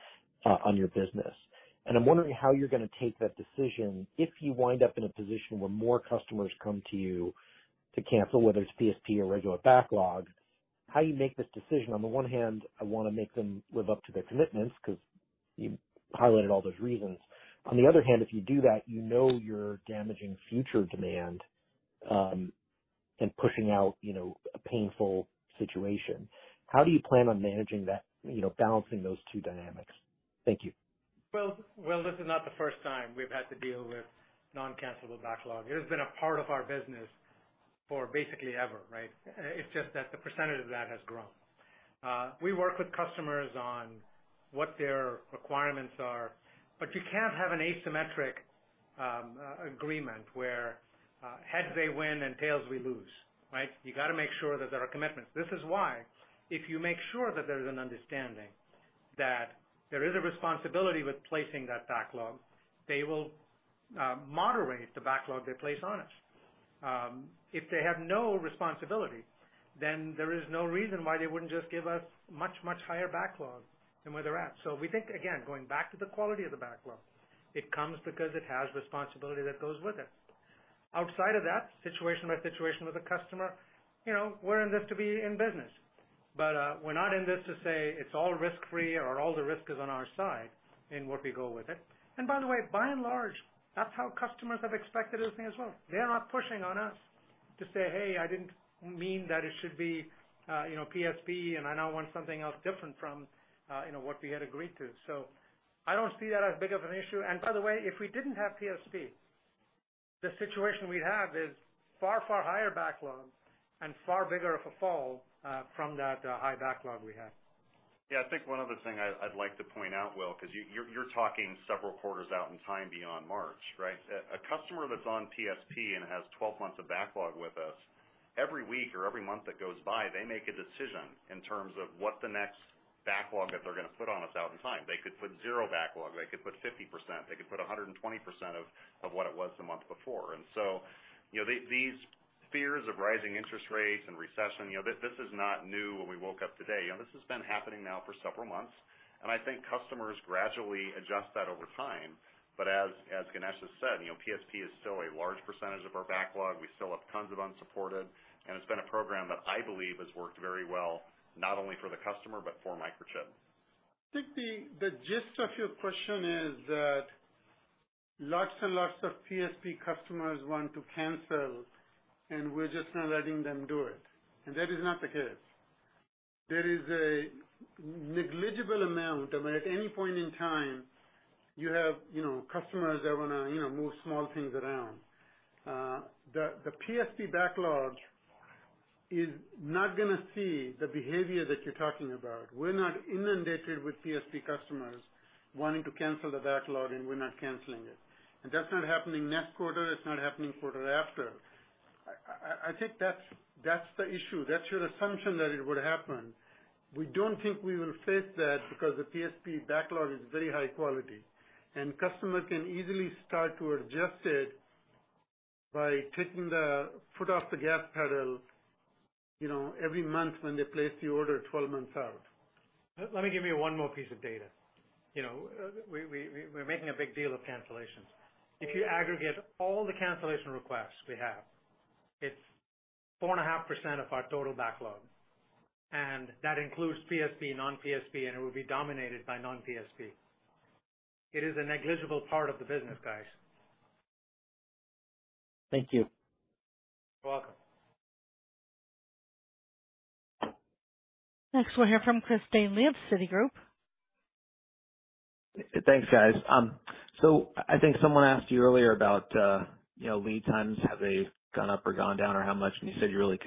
on your business. I'm wondering how you're gonna take that decision if you wind up in a position where more customers come to you to cancel, whether it's PSP or regular backlog, how you make this decision. On the one hand, I wanna make them live up to their commitments 'cause you highlighted all those reasons. On the other hand, if you do that, you know you're damaging future demand and pushing out, you know, a painful situation. How do you plan on managing that, you know, balancing those two dynamics? Thank you. Well, well, this is not the first time we've had to deal with non-cancellable backlog. It has been a part of our business for basically ever, right? It's just that the percentage of that has grown. We work with customers on what their requirements are, but you can't have an asymmetric agreement where heads they win and tails we lose, right? You gotta make sure that there are commitments. This is why if you make sure that there is an understanding that there is a responsibility with placing that backlog, they will moderate the backlog they place on us. If they have no responsibility, then there is no reason why they wouldn't just give us much, much higher backlog than where they're at. We think, again, going back to the quality of the backlog, it comes because it has responsibility that goes with it. Outside of that, situation by situation with a customer, you know, we're in this to be in business. We're not in this to say it's all risk-free or all the risk is on our side in what we go with it. By the way, by and large, that's how customers have expected us as well. They are not pushing on us to say, "Hey, I didn't mean that it should be, you know, PSP, and I now want something else different from, you know, what we had agreed to." I don't see that as big of an issue. By the way, if we didn't have PSP, the situation we'd have is far, far higher backlogs and far bigger of a fall from that high backlog we have. Yeah. I think one other thing I'd like to point out, Will, 'cause you're talking several quarters out in time beyond March, right? A customer that's on PSP and has 12 months of backlog with us, every week or every month that goes by, they make a decision in terms of what the next backlog that they're gonna put on us out in time. They could put zero backlog, they could put 50%, they could put 120% of what it was the month before. You know, these fears of rising interest rates and recession, you know, this is not new when we woke up today. You know, this has been happening now for several months, and I think customers gradually adjust that over time. As Ganesh has said, you know, PSP is still a large percentage of our backlog. We still have tons of support, and it's been a program that I believe has worked very well, not only for the customer but for Microchip. I think the gist of your question is that lots and lots of PSP customers want to cancel, and we're just not letting them do it, and that is not the case. There is a negligible amount. I mean, at any point in time, you have, you know, customers that wanna, you know, move small things around. The PSP backlog is not gonna see the behavior that you're talking about. We're not inundated with PSP customers wanting to cancel the backlog, and we're not canceling it. That's not happening next quarter, it's not happening quarter after. I think that's the issue. That's your assumption that it would happen. We don't think we will face that because the PSP backlog is very high quality, and customer can easily start to adjust it by taking the foot off the gas pedal, you know, every month when they place the order 12 months out. Let me give you one more piece of data. You know, we're making a big deal of cancellations. If you aggregate all the cancellation requests we have, it's 4.5% of our total backlog. That includes PSP, non-PSP, and it will be dominated by non-PSP. It is a negligible part of the business, guys. Thank you. You're welcome. Next, we'll hear from Christopher Danely, Citigroup. Thanks, guys. I think someone asked you earlier about, you know, lead times. Have they gone up or gone down or how much? You said you really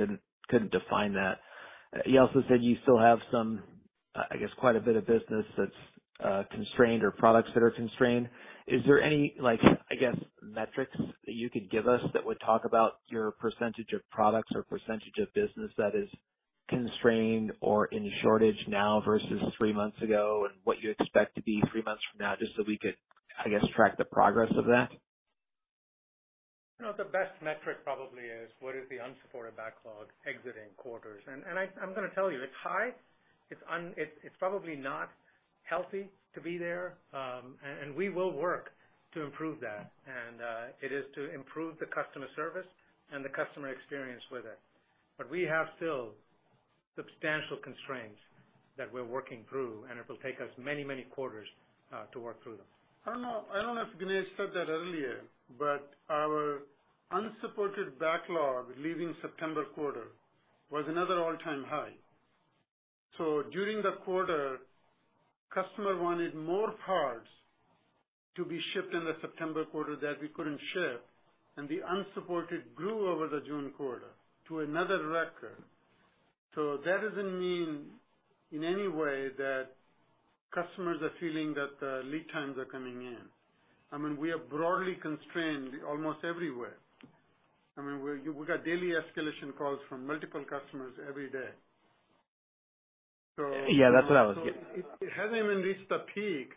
couldn't define that. You also said you still have some, I guess, quite a bit of business that's constrained or products that are constrained. Is there any, like, I guess, metrics that you could give us that would talk about your percentage of products or percentage of business that is constrained or in shortage now versus three months ago and what you expect to be three months from now, just so we could, I guess, track the progress of that? You know, the best metric probably is what is the unsupported backlog exiting quarters. I'm gonna tell you it's high. It's probably not healthy to be there, and we will work to improve that. It is to improve the customer service and the customer experience with it. We have still substantial constraints that we're working through, and it will take us many, many quarters to work through them. I don't know if Ganesh said that earlier, but our unshipped backlog leaving September quarter was another all-time high. During the quarter, customer wanted more parts to be shipped in the September quarter that we couldn't ship, and the unshipped grew over the June quarter to another record. That doesn't mean in any way that customers are feeling that the lead times are coming in. I mean, we are broadly constrained almost everywhere. I mean, we got daily escalation calls from multiple customers every day. Yeah, that's what I was getting at. It hasn't even reached the peak.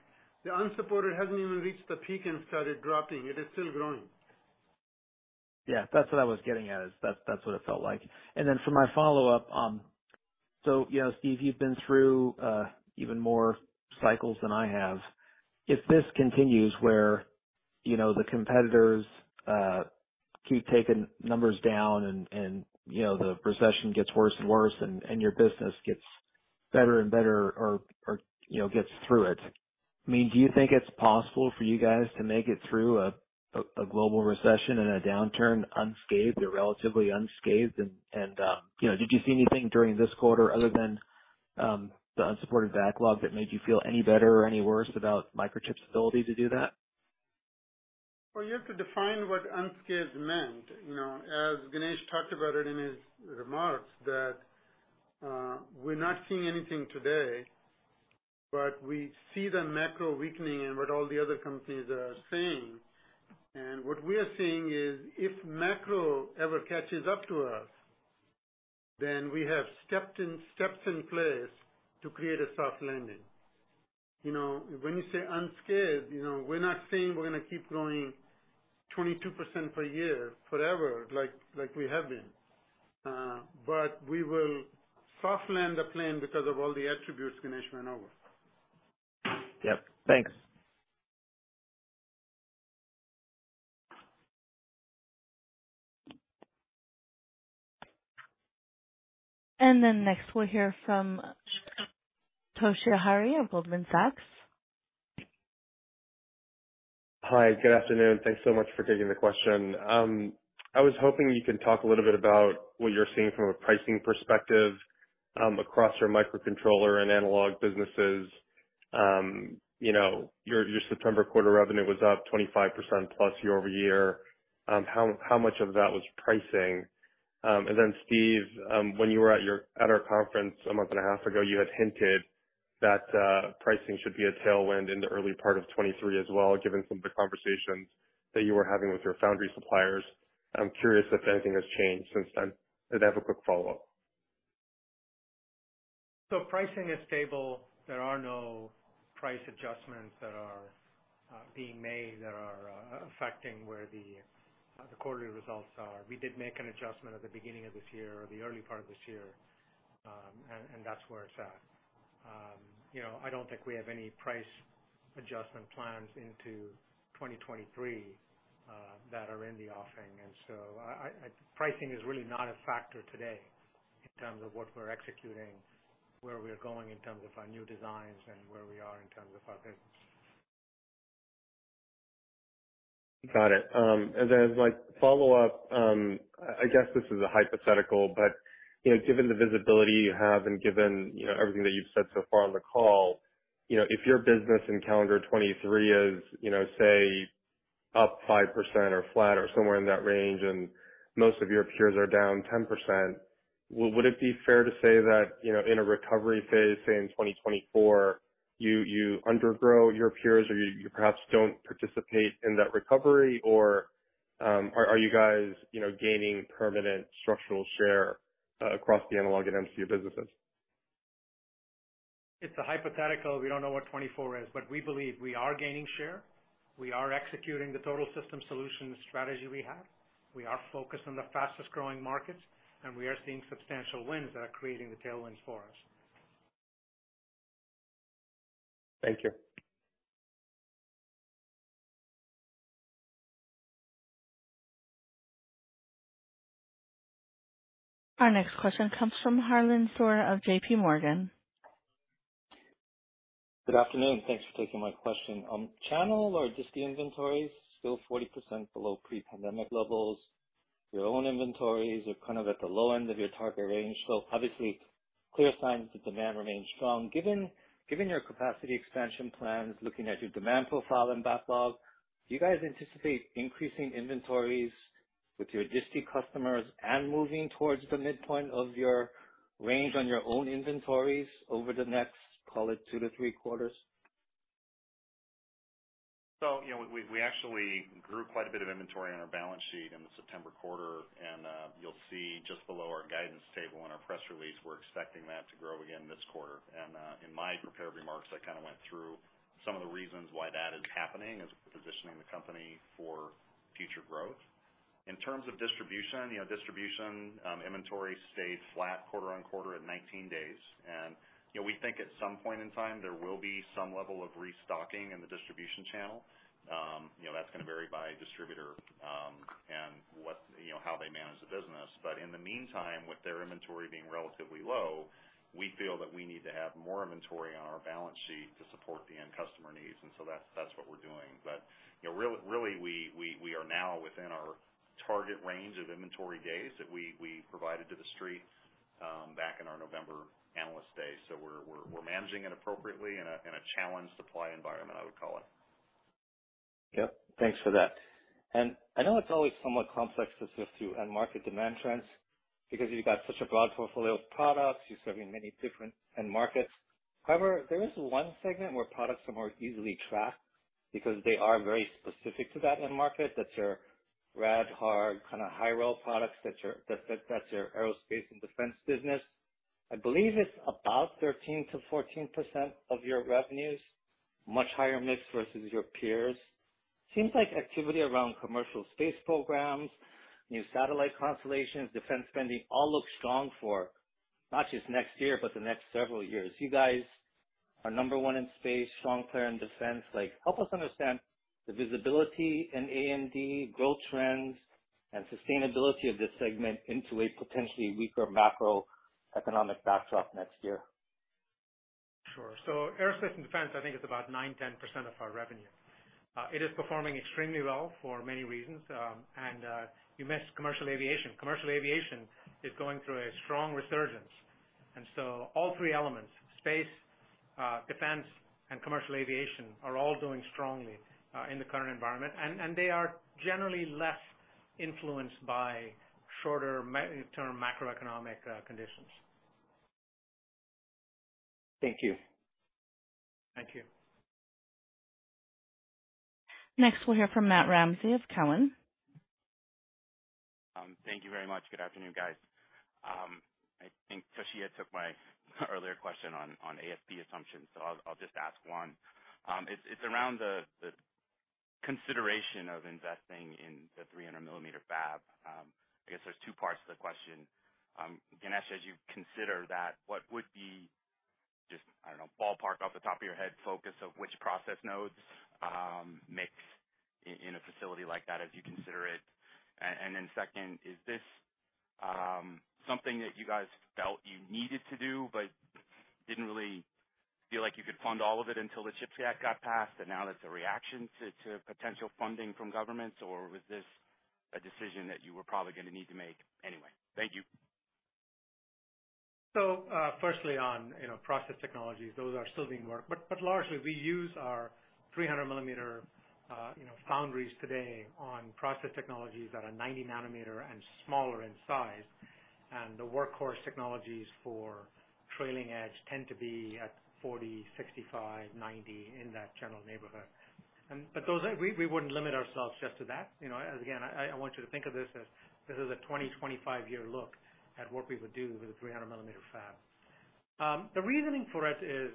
The unsupported hasn't even reached the peak and started dropping. It is still growing. Yeah, that's what I was getting at. That's what it felt like. For my follow-up, you know, Steve, you've been through even more cycles than I have. If this continues where, you know, the competitors keep taking numbers down and you know, the recession gets worse and worse and your business gets better and better or you know, gets through it, I mean, do you think it's possible for you guys to make it through a global recession and a downturn unscathed or relatively unscathed? Did you see anything during this quarter other than the unsupported backlog that made you feel any better or any worse about Microchip's ability to do that? Well, you have to define what unscathed meant. You know, as Ganesh talked about it in his remarks, that we're not seeing anything today, but we see the macro weakening and what all the other companies are saying. What we are saying is if macro ever catches up to us, then we have steps in place to create a soft landing. You know, when you say unscathed, you know, we're not saying we're going to keep growing 22% per year forever like we have been. We will soft land the plane because of all the attributes Ganesh went over. Yep. Thanks. Next, we'll hear from Toshiya Hari at Goldman Sachs. Hi. Good afternoon. Thanks so much for taking the question. I was hoping you could talk a little bit about what you're seeing from a pricing perspective, across your microcontroller and analog businesses. You know, your September quarter revenue was up 25% plus year-over-year. How much of that was pricing? Steve, when you were at our conference a month and a half ago, you had hinted that pricing should be a tailwind in the early part of 2023 as well, given some of the conversations that you were having with your foundry suppliers. I'm curious if anything has changed since then. I have a quick follow-up. Pricing is stable. There are no price adjustments that are being made that are affecting where the quarterly results are. We did make an adjustment at the beginning of this year or the early part of this year, and that's where it's at. You know, I don't think we have any price adjustment plans into 2023 that are in the offing. Pricing is really not a factor today in terms of what we're executing, where we're going in terms of our new designs and where we are in terms of our business. Got it. My follow-up, I guess this is a hypothetical, but, you know, given the visibility you have and given, you know, everything that you've said so far on the call, you know, if your business in calendar 2023 is, you know, say, up 5% or flat or somewhere in that range, and most of your peers are down 10%, would it be fair to say that, you know, in a recovery phase, say in 2024, you undergrow your peers or you perhaps don't participate in that recovery? Or, are you guys, you know, gaining permanent structural share across the analog and MCU businesses? It's a hypothetical. We don't know what 2024 is, but we believe we are gaining share. We are executing the Total System Solutions strategy we have. We are focused on the fastest-growing markets, and we are seeing substantial wins that are creating the tailwinds for us. Thank you. Our next question comes from Harlan Sur of J.P. Morgan. Good afternoon. Thanks for taking my question. Channel or disti inventories still 40% below pre-pandemic levels. Your own inventories are kind of at the low end of your target range. Obviously clear signs that demand remains strong. Given your capacity expansion plans, looking at your demand profile and backlog, do you guys anticipate increasing inventories with your disti customers and moving towards the midpoint of your range on your own inventories over the next, call it, two to three quarters? You know, we actually grew quite a bit of inventory on our balance sheet in the September quarter. You'll see just below our guidance table in our press release, we're expecting that to grow again this quarter. In my prepared remarks, I kind of went through some of the reasons why that is happening as we're positioning the company for future growth. In terms of distribution, you know, distribution inventory stayed flat quarter-over-quarter at 19 days. You know, we think at some point in time there will be some level of restocking in the distribution channel. You know, that's gonna vary by distributor, and what, you know, how they manage the business. In the meantime, with their inventory being relatively low, we feel that we need to have more inventory on our balance sheet to support the end customer needs. That's what we're doing. Really, we are now within our target range of inventory days that we provided to the street back in our November Analyst Day. We're managing it appropriately in a challenged supply environment, I would call it. Yep, thanks for that. I know it's always somewhat complex to sift through end market demand trends because you've got such a broad portfolio of products, you're serving many different end markets. However, there is one segment where products are more easily tracked because they are very specific to that end market. That's your rad-hard kind of Hi-Rel products. That's your aerospace and defense business. I believe it's about 13%-14% of your revenues, much higher mix versus your peers. Seems like activity around commercial space programs, new satellite constellations, defense spending all look strong for not just next year but the next several years. You guys are number one in space, strong player in defense. Like, help us understand the visibility in A&D growth trends and sustainability of this segment into a potentially weaker macroeconomic backdrop next year. Sure. Aerospace and defense, I think it's about 9%-10% of our revenue. It is performing extremely well for many reasons. You missed commercial aviation. Commercial aviation is going through a strong resurgence, and so all three elements, space, defense, and commercial aviation, are all doing strongly in the current environment. They are generally less influenced by shorter medium-term macroeconomic conditions. Thank you. Thank you. Next, we'll hear from Matt Ramsay of TD Cowen. Thank you very much. Good afternoon, guys. I think Toshiya took my earlier question on ASP assumptions, so I'll just ask one. It's around the consideration of investing in the 300 millimeter fab. I guess there's two parts to the question. Ganesh, as you consider that, what would be just, I don't know, ballpark off the top of your head focus of which process nodes, mix in a facility like that as you consider it? And then second, is this something that you guys felt you needed to do but didn't really feel like you could fund all of it until the CHIPS Act got passed, and now that's a reaction to potential funding from governments? Or was this a decision that you were probably gonna need to make anyway? Thank you. First, on, you know, process technologies, those are still being worked. Largely we use our 300 millimeter, you know, foundries today on process technologies that are 90 nanometer and smaller in size. The workhorse technologies for trailing edge tend to be at 40, 65, 90, in that general neighborhood. We wouldn't limit ourselves just to that. You know, as again, I want you to think of this as this is a 25-year look at what we would do with a 300 millimeter fab. The reasoning for it is,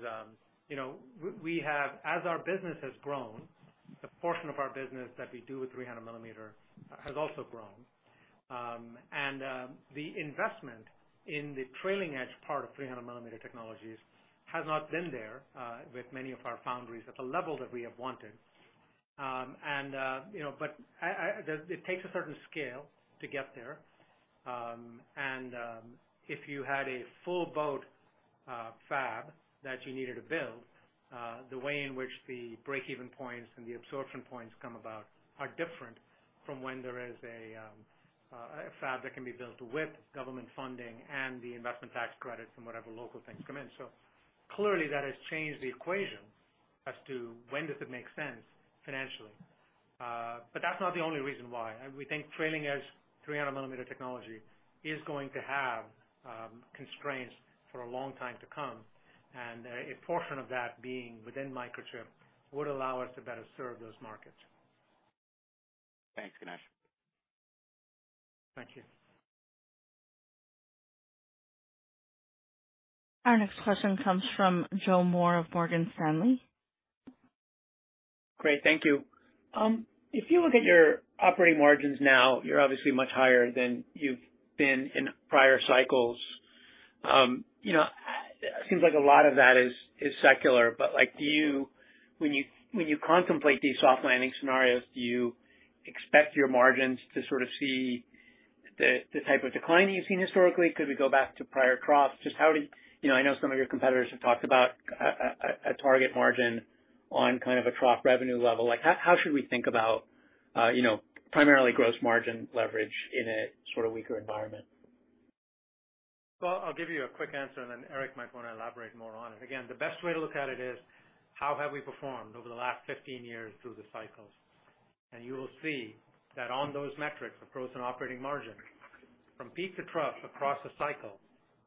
we have, as our business has grown, the portion of our business that we do with 300 millimeter has also grown. The investment in the trailing edge part of 300 millimeter technologies has not been there with many of our foundries at the level that we have wanted. It takes a certain scale to get there. If you had a full boat fab that you needed to build, the way in which the break-even points and the absorption points come about are different from when there is a fab that can be built with government funding and the investment tax credits from whatever local things come in. Clearly that has changed the equation as to when does it make sense financially. That's not the only reason why. We think trailing edge 300 millimeter technology is going to have constraints for a long time to come, and a portion of that being within Microchip would allow us to better serve those markets. Thanks, Ganesh. Thank you. Our next question comes from Joseph Moore of Morgan Stanley. Great. Thank you. If you look at your operating margins now, you're obviously much higher than you've been in prior cycles. You know, it seems like a lot of that is secular, but like, do you—when you contemplate these soft landing scenarios, do you expect your margins to sort of see the type of decline you've seen historically? Could we go back to prior troughs? Just how do you know, I know some of your competitors have talked about a target margin on kind of a trough revenue level. Like, how should we think about, you know, primarily gross margin leverage in a sort of weaker environment? Well, I'll give you a quick answer, and then Eric might wanna elaborate more on it. Again, the best way to look at it is how have we performed over the last 15 years through the cycles. You'll see that on those metrics, the gross and operating margin, from peak to trough across the cycle,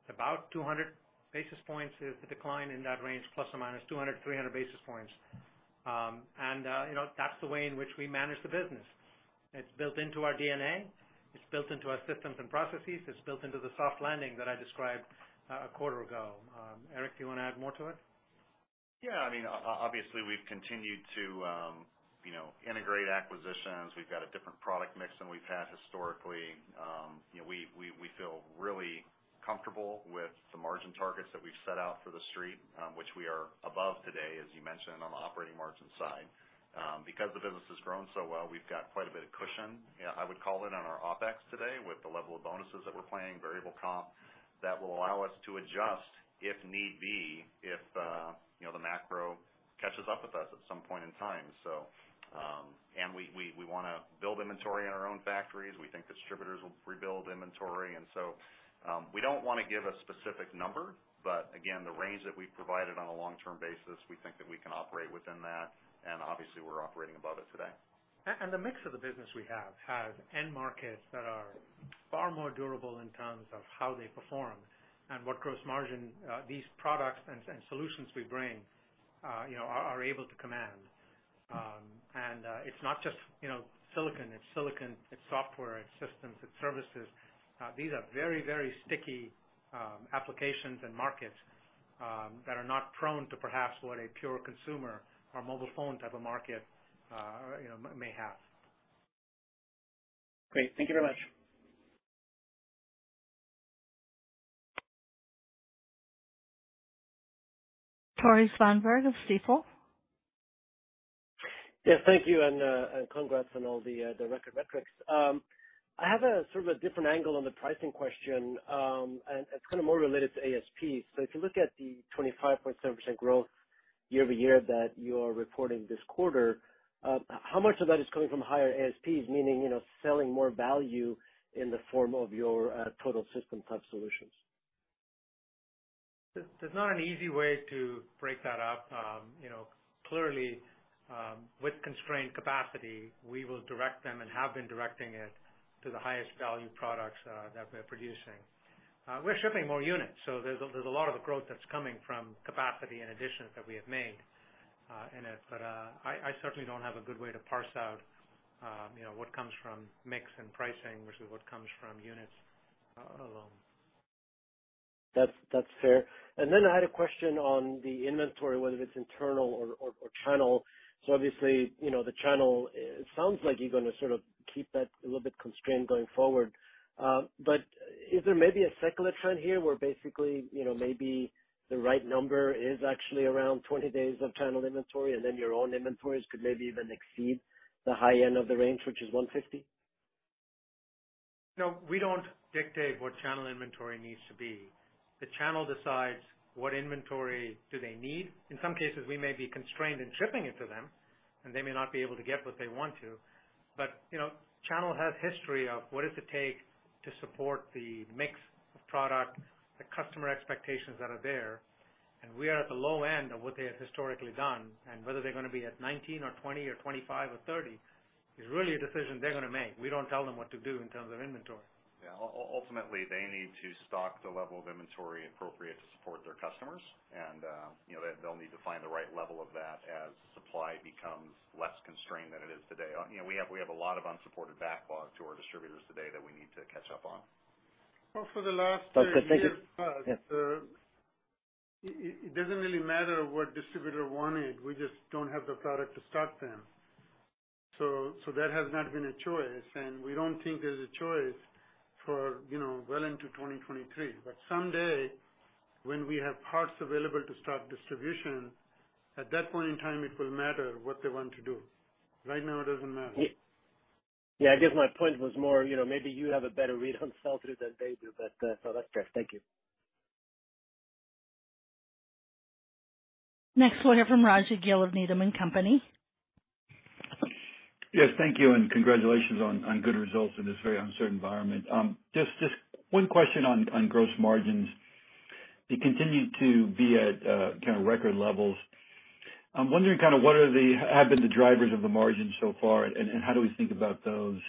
about 200 basis points is the decline in that range, plus or minus 200-300 basis points. You know, that's the way in which we manage the business. It's built into our DNA. It's built into our systems and processes. It's built into the soft landing that I described a quarter ago. Eric, do you wanna add more to it? Yeah. I mean, obviously, we've continued to, you know, integrate acquisitions. We've got a different product mix than we've had historically. You know, we feel really comfortable with the margin targets that we've set out for the street, which we are above today, as you mentioned, on the operating margin side. Because the business has grown so well, we've got quite a bit of cushion, yeah, I would call it, on our OpEx today with the level of bonuses that we're planning, variable comp, that will allow us to adjust if need be, if, you know, the macro catches up with us at some point in time. We wanna build inventory in our own factories. We think distributors will rebuild inventory. We don't wanna give a specific number, but again, the range that we've provided on a long-term basis, we think that we can operate within that, and obviously we're operating above it today. The mix of the business we have has end markets that are far more durable in terms of how they perform and what gross margin these products and solutions we bring, you know, are able to command. It's not just, you know, silicon. It's silicon, it's software, it's systems, it's services. These are very, very sticky applications and markets that are not prone to perhaps what a pure consumer or mobile phone type of market, you know, may have. Great. Thank you very much. Tore Svanberg of Stifel. Yes, thank you, and congrats on all the record metrics. I have a sort of a different angle on the pricing question, and it's kinda more related to ASP. If you look at the 25.7% growth year-over-year that you are reporting this quarter, how much of that is coming from higher ASPs, meaning, you know, selling more value in the form of your total system type solutions? There's not an easy way to break that up. You know, clearly, with constrained capacity, we will direct them and have been directing it to the highest value products that we're producing. We're shipping more units, so there's a lot of the growth that's coming from capacity and additions that we have made in it. I certainly don't have a good way to parse out, you know, what comes from mix and pricing versus what comes from units alone. That's fair. I had a question on the inventory, whether it's internal or channel. Obviously, you know, the channel, it sounds like you're gonna sort of keep that a little bit constrained going forward. But is there maybe a secular trend here where basically, you know, maybe the right number is actually around 20 days of channel inventory, and then your own inventories could maybe even exceed the high end of the range, which is 150? No, we don't dictate what channel inventory needs to be. The channel decides what inventory do they need. In some cases, we may be constrained in shipping it to them, and they may not be able to get what they want to. But, you know, channel has history of what does it take to support the mix of product, the customer expectations that are there, and we are at the low end of what they have historically done. Whether they're gonna be at 19 or 20 or 25 or 30 is really a decision they're gonna make. We don't tell them what to do in terms of inventory. Yeah. Ultimately, they need to stock the level of inventory appropriate to support their customers. You know, they'll need to find the right level of that as supply becomes less constrained than it is today. You know, we have a lot of unsupported backlog to our distributors today that we need to catch up on. Well, for the last 3 years plus. But, but they- It doesn't really matter what distributor wanted. We just don't have the product to stock them. That has not been a choice, and we don't think there's a choice for, you know, well into 2023. Someday, when we have parts available to start distribution, at that point in time, it will matter what they want to do. Right now, it doesn't matter. Yeah, I guess my point was more, you know, maybe you have a better read on sell-through than they do, but so that's fair. Thank you. Next one here from Raji Gill of Needham & Company. Yes, thank you, and congratulations on good results in this very uncertain environment. Just one question on gross margins. They continued to be at kind of record levels. I'm wondering kind of what have been the drivers of the margin so far and how do we think about those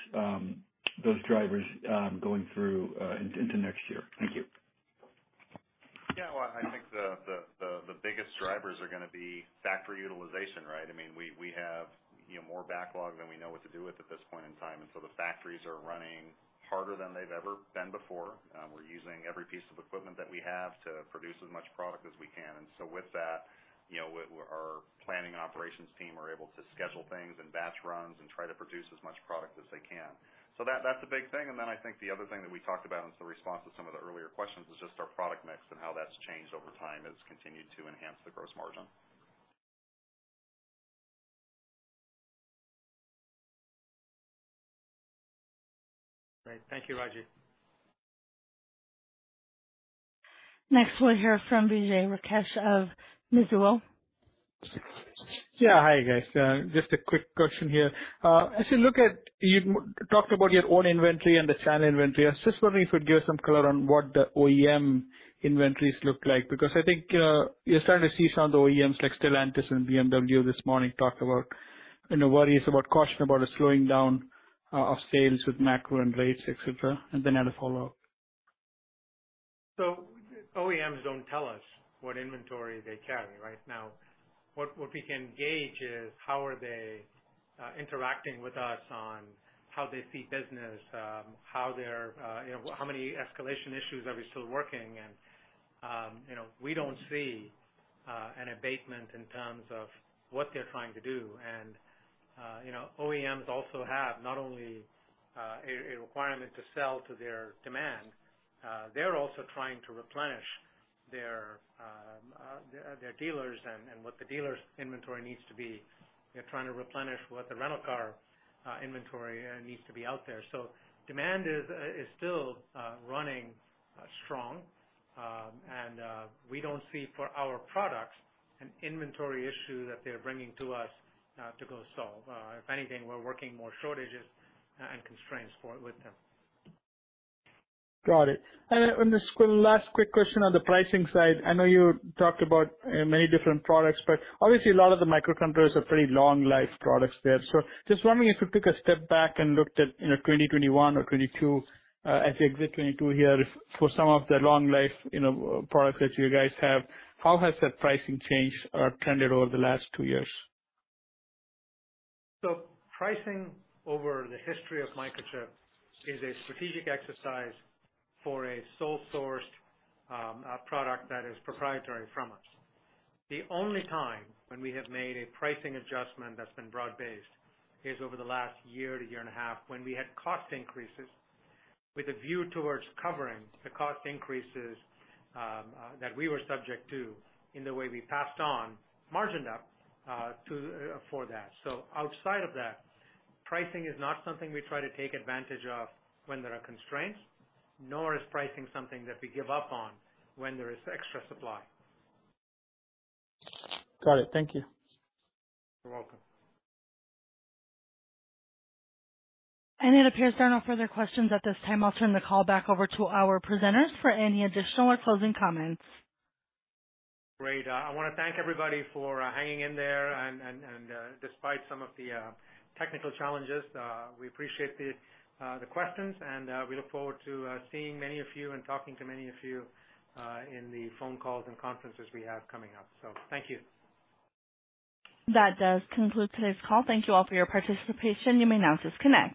drivers going through into next year? Thank you. Yeah. Well, I think the biggest drivers are gonna be factory utilization, right? I mean, we have, you know, more backlog than we know what to do with at this point in time, and so the factories are running harder than they've ever been before. We're using every piece of equipment that we have to produce as much product as we can. With that, you know, our planning and operations team are able to schedule things and batch runs and try to produce as much product as they can. That's a big thing. I think the other thing that we talked about in the response to some of the earlier questions is just our product mix and how that's changed over time has continued to enhance the gross margin. Great. Thank you, Raji. Next one here from Vijay Rakesh of Mizuho. Yeah. Hi, guys. Just a quick question here. You talked about your own inventory and the channel inventory. I was just wondering if you'd give some color on what the OEM inventories look like because I think you're starting to see some of the OEMs like Stellantis and BMW this morning talk about, you know, worries about caution about a slowing down of sales with macro and rates, et cetera. I had a follow-up. OEMs don't tell us what inventory they carry right now. What we can gauge is how they are interacting with us on how they see business, you know, how many escalation issues we are still working and, you know, we don't see an abatement in terms of what they're trying to do. You know, OEMs also have not only a requirement to sell to their demand, they're also trying to replenish their their dealers and what the dealers' inventory needs to be. They're trying to replenish what the rental car inventory needs to be out there. Demand is still running strong. We don't see for our products an inventory issue that they're bringing to us to go solve. If anything, we're seeing more shortages and constraints for it with them. Got it. Just quick last question on the pricing side. I know you talked about, many different products, but obviously a lot of the microcontrollers are pretty long life products there. Just wondering if you took a step back and looked at, you know, 2021 or 2022, as you exit 2022 here for some of the long life, you know, products that you guys have, how has that pricing changed or trended over the last 2 years? Pricing over the history of Microchip is a strategic exercise for a sole sourced product that is proprietary from us. The only time when we have made a pricing adjustment that's been broad-based is over the last year to a year and a half, when we had cost increases with a view towards covering the cost increases that we were subject to in the way we passed on and margined up. Outside of that, pricing is not something we try to take advantage of when there are constraints, nor is pricing something that we give up on when there is extra supply. Got it. Thank you. You're welcome. It appears there are no further questions at this time. I'll turn the call back over to our presenters for any additional or closing comments. Great. I wanna thank everybody for hanging in there and despite some of the technical challenges, we appreciate the questions, and we look forward to seeing many of you and talking to many of you in the phone calls and conferences we have coming up. Thank you. That does conclude today's call. Thank you all for your participation. You may now disconnect.